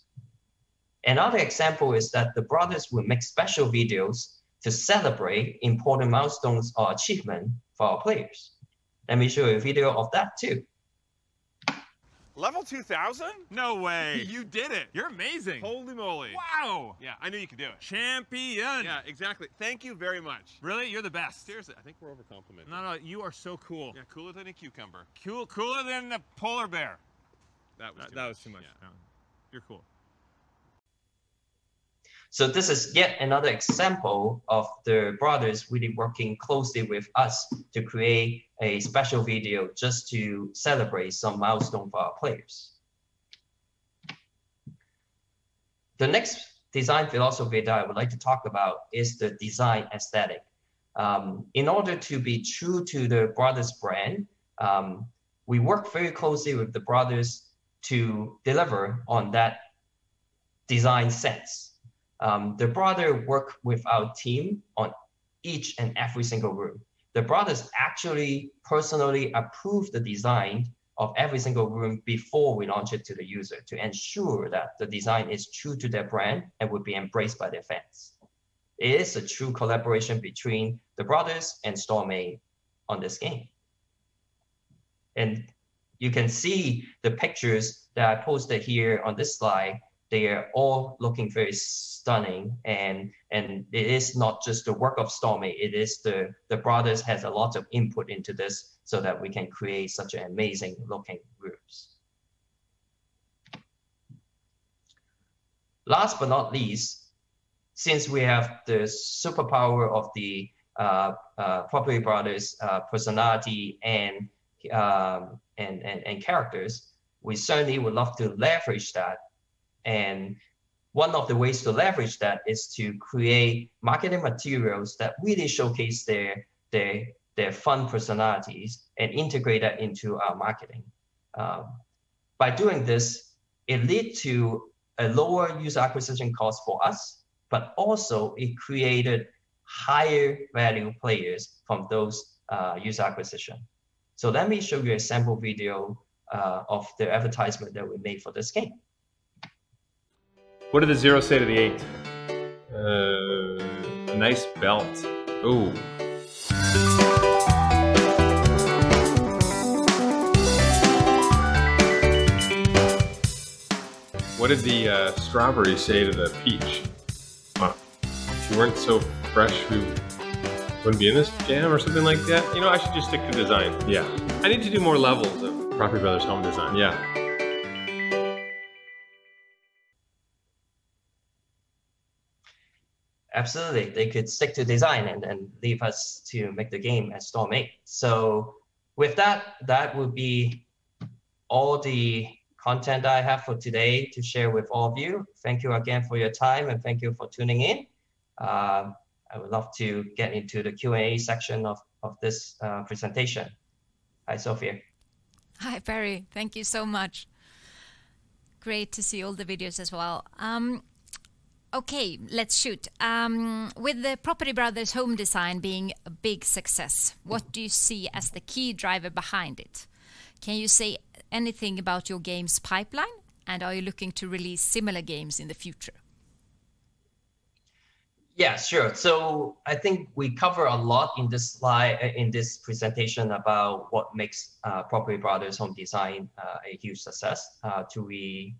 Another example is that the brothers will make special videos to celebrate important milestones or achievements for our players. Let me show you a video of that too. Level 2,000? No way. You did it. You are amazing. Holy moly. Wow. Yeah, I knew you could do it. Champion. Yeah, exactly. Thank you very much. Really, you are the best. Seriously, I think we are over-complimenting. No, no. You are so cool. Yeah, cooler than a cucumber. Cooler than a polar bear. That was too much. That was too much. Yeah. You are cool. This is yet another example of the brothers really working closely with us to create a special video just to celebrate some milestone for our players. The next design philosophy that I would like to talk about is the design aesthetic. In order to be true to the brothers' brand, we worked very closely with the brothers to deliver on that design sense. The brothers worked with our team on each and every single room. The brothers actually personally approved the design of every single room before we launch it to the user to ensure that the design is true to their brand and will be embraced by their fans. It is a true collaboration between the brothers and Storm8 on this game. You can see the pictures that I posted here on this slide, they are all looking very stunning, and it is not just the work of Storm8, it is the brothers has a lot of input into this so that we can create such amazing looking rooms. Last but not least, since we have this superpower of the Property Brothers' personality and characters, we certainly would love to leverage that, and one of the ways to leverage that is to create marketing materials that really showcase their fun personalities and integrate that into our marketing. By doing this, it led to a lower user acquisition cost for us, but also it created higher value players from those user acquisition. Let me show you a sample video of the advertisement that we made for this game. What did the zero say to the eight? Nice belt. Ooh. What did the strawberry say to the peach? If you weren't so fresh, we wouldn't be in this jam or something like that. You know, I should just stick to design. Yeah. I need to do more levels of Property Brothers Home Design. Yeah. Absolutely. They could stick to design and leave us to make the game at Storm8. With that will be all the content I have for today to share with all of you. Thank you again for your time, and thank you for tuning in. I would love to get into the Q&A section of this presentation. Hi, Sofia. Hi, Perry. Thank you so much. Great to see all the videos as well. Okay, let's shoot. With the Property Brothers Home Design being a big success, what do you see as the key driver behind it? Can you say anything about your games pipeline, and are you looking to release similar games in the future? Yeah, sure. I think we cover a lot in this presentation about what makes Property Brothers Home Design a huge success. To reiterate those points,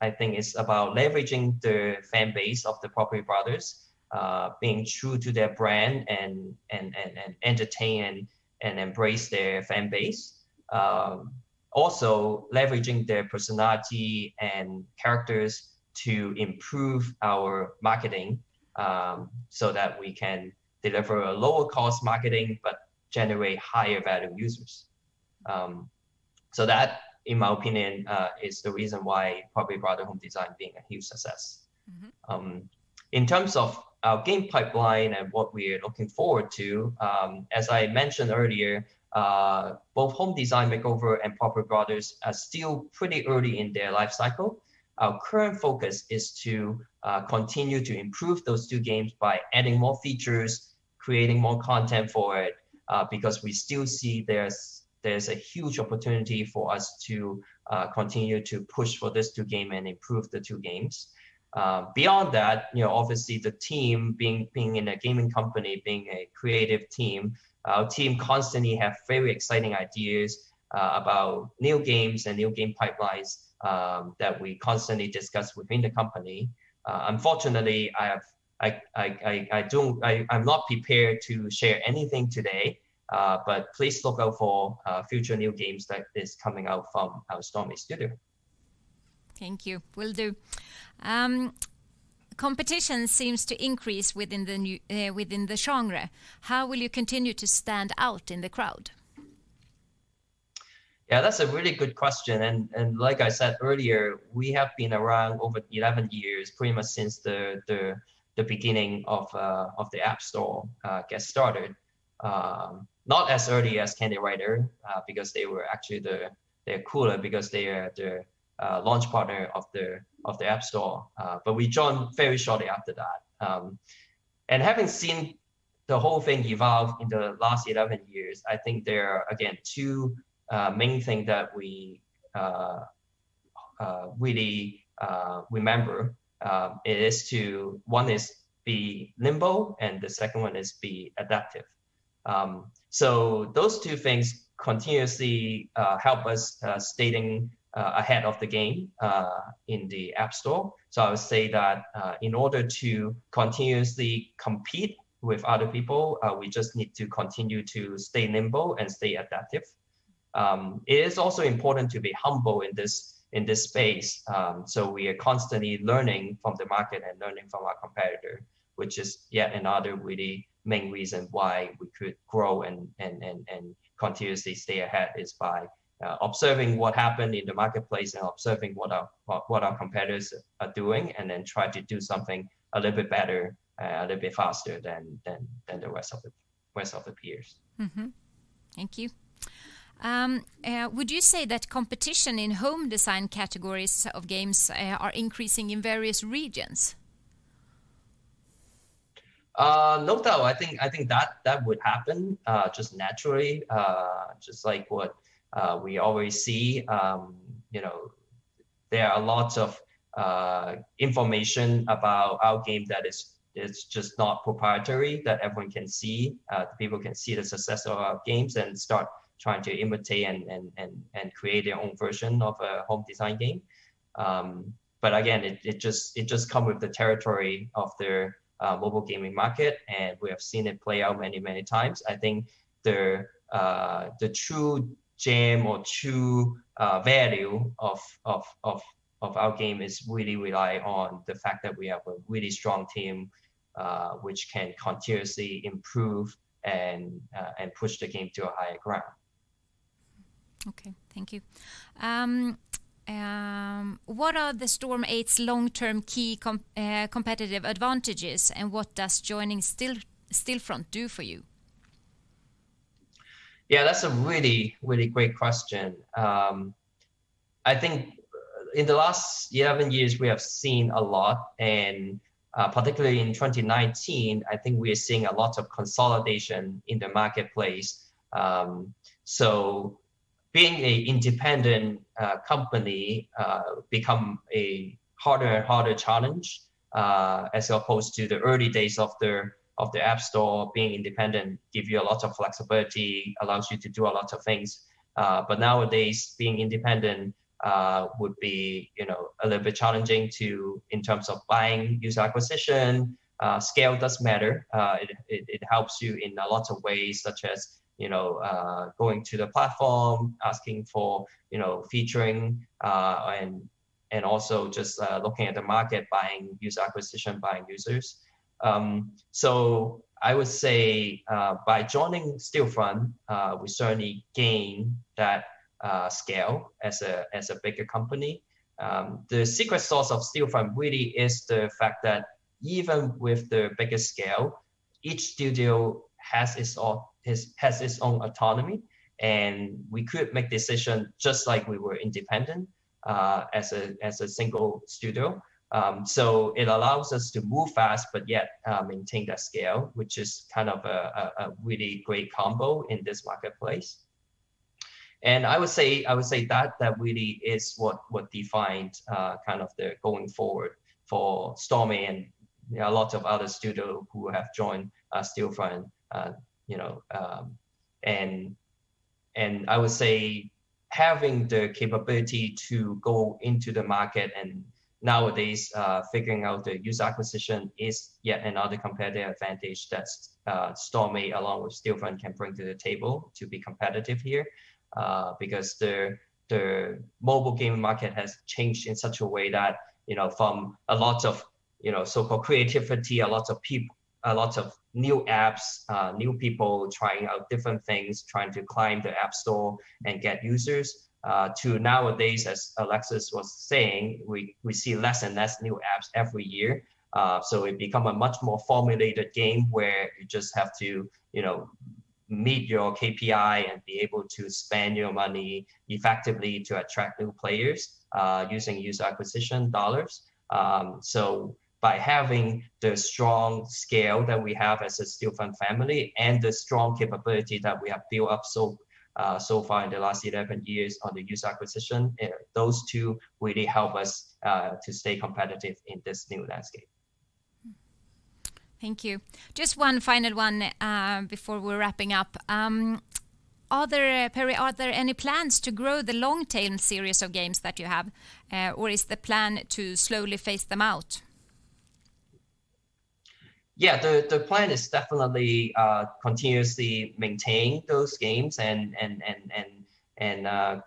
I think it's about leveraging the fan base of the Property Brothers, being true to their brand, and entertain and embrace their fan base. Also, leveraging their personality and characters to improve our marketing, so that we can deliver a lower cost marketing but generate higher value users. That, in my opinion, is the reason why Property Brother Home Design being a huge success. In terms of our game pipeline and what we are looking forward to, as I mentioned earlier, both Home Design Makeover and Property Brothers are still pretty early in their life cycle. Our current focus is to continue to improve those two games by adding more features, creating more content for it, because we still see there is a huge opportunity for us to continue to push for these two game and improve the two games. Beyond that, obviously the team, being in a gaming company, being a creative team, our team constantly have very exciting ideas about new games and new game pipelines that we constantly discuss within the company. Unfortunately, I am not prepared to share anything today. Please look out for future new games like this coming out from our Storm8 studio. Thank you. Will do. Competition seems to increase within the genre. How will you continue to stand out in the crowd? Yeah, that's a really good question. Like I said earlier, we have been around over 11 years, pretty much since the beginning of the App Store get started. Not as early as CANDYWRITER, because they were actually the cooler because they are the launch partner of the App Store. We joined very shortly after that. Having seen the whole thing evolve in the last 11 years, I think there are, again, two main thing that we really remember. One is be nimble, and the second one is be adaptive. Those two things continuously help us staying ahead of the game in the App Store. I would say that in order to continuously compete with other people, we just need to continue to stay nimble and stay adaptive. It is also important to be humble in this space. We are constantly learning from the market and learning from our competitor, which is yet another really main reason why we could grow and continuously stay ahead, is by observing what happened in the marketplace and observing what our competitors are doing, and then try to do something a little bit better, a little bit faster than the rest of the peers. Thank you. Would you say that competition in home design categories of games are increasing in various regions? Not all. I think that would happen just naturally, just like what we always see. There are lots of information about our game that is just not proprietary, that everyone can see. People can see the success of our games and start trying to imitate and create their own version of a home design game. Again, it just come with the territory of the mobile gaming market, and we have seen it play out many, many times. I think the true gem or true value of our game is really rely on the fact that we have a really strong team, which can continuously improve and push the game to a higher ground. Okay. Thank you. What are the Storm8's long-term key competitive advantages, and what does joining Stillfront do for you? Yeah, that's a really great question. I think in the last 11 years, we have seen a lot, and particularly in 2019, I think we are seeing a lot of consolidation in the marketplace. Being a independent company become a harder challenge, as opposed to the early days of the App Store, being independent give you a lot of flexibility, allows you to do a lot of things. Nowadays, being independent would be a little bit challenging too, in terms of buying user acquisition. Scale does matter. It helps you in a lot of ways, such as going to the platform, asking for featuring, and also just looking at the market, buying user acquisition, buying users. I would say by joining Stillfront, we certainly gain that scale as a bigger company. The secret sauce of Stillfront really is the fact that even with the bigger scale. Each studio has its own autonomy, and we could make decisions just like we were independent as a single studio. It allows us to move fast, but yet maintain that scale, which is a really great combo in this marketplace. I would say that really is what defines the going forward for Storm8 and a lot of other studios who have joined Stillfront. I would say having the capability to go into the market, and nowadays figuring out the user acquisition is yet another competitive advantage that Storm8, along with Stillfront, can bring to the table to be competitive here. The mobile game market has changed in such a way that from a lot of so-called creativity, lots of new apps, new people trying out different things, trying to climb the App Store and get users, to nowadays, as Alexis Bonte was saying, we see less and less new apps every year. It become a much more formulated game where you just have to meet your KPI and be able to spend your money effectively to attract new players using user acquisition dollars. By having the strong scale that we have as a Stillfront family and the strong capability that we have built up so far in the last 11 years on the user acquisition, those two really help us to stay competitive in this new landscape. Thank you. Just one final one before we're wrapping up. Perry, are there any plans to grow the long-tail series of games that you have? Is the plan to slowly phase them out? The plan is definitely continuously maintain those games and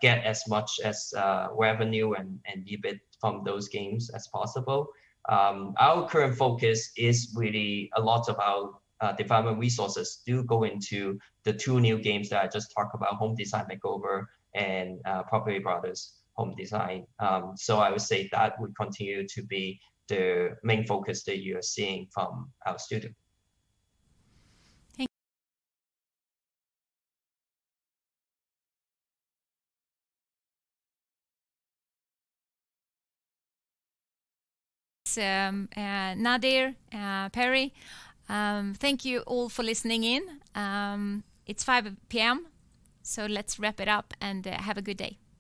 get as much as revenue and EBIT from those games as possible. Our current focus is really a lot of our development resources do go into the two new games that I just talked about, "Home Design Makeover" and "Property Brothers Home Design." I would say that would continue to be the main focus that you are seeing from our studio. Thank you. Nadir, Perry, thank you all for listening in. It's 5:00 P.M., so let's wrap it up and have a good day.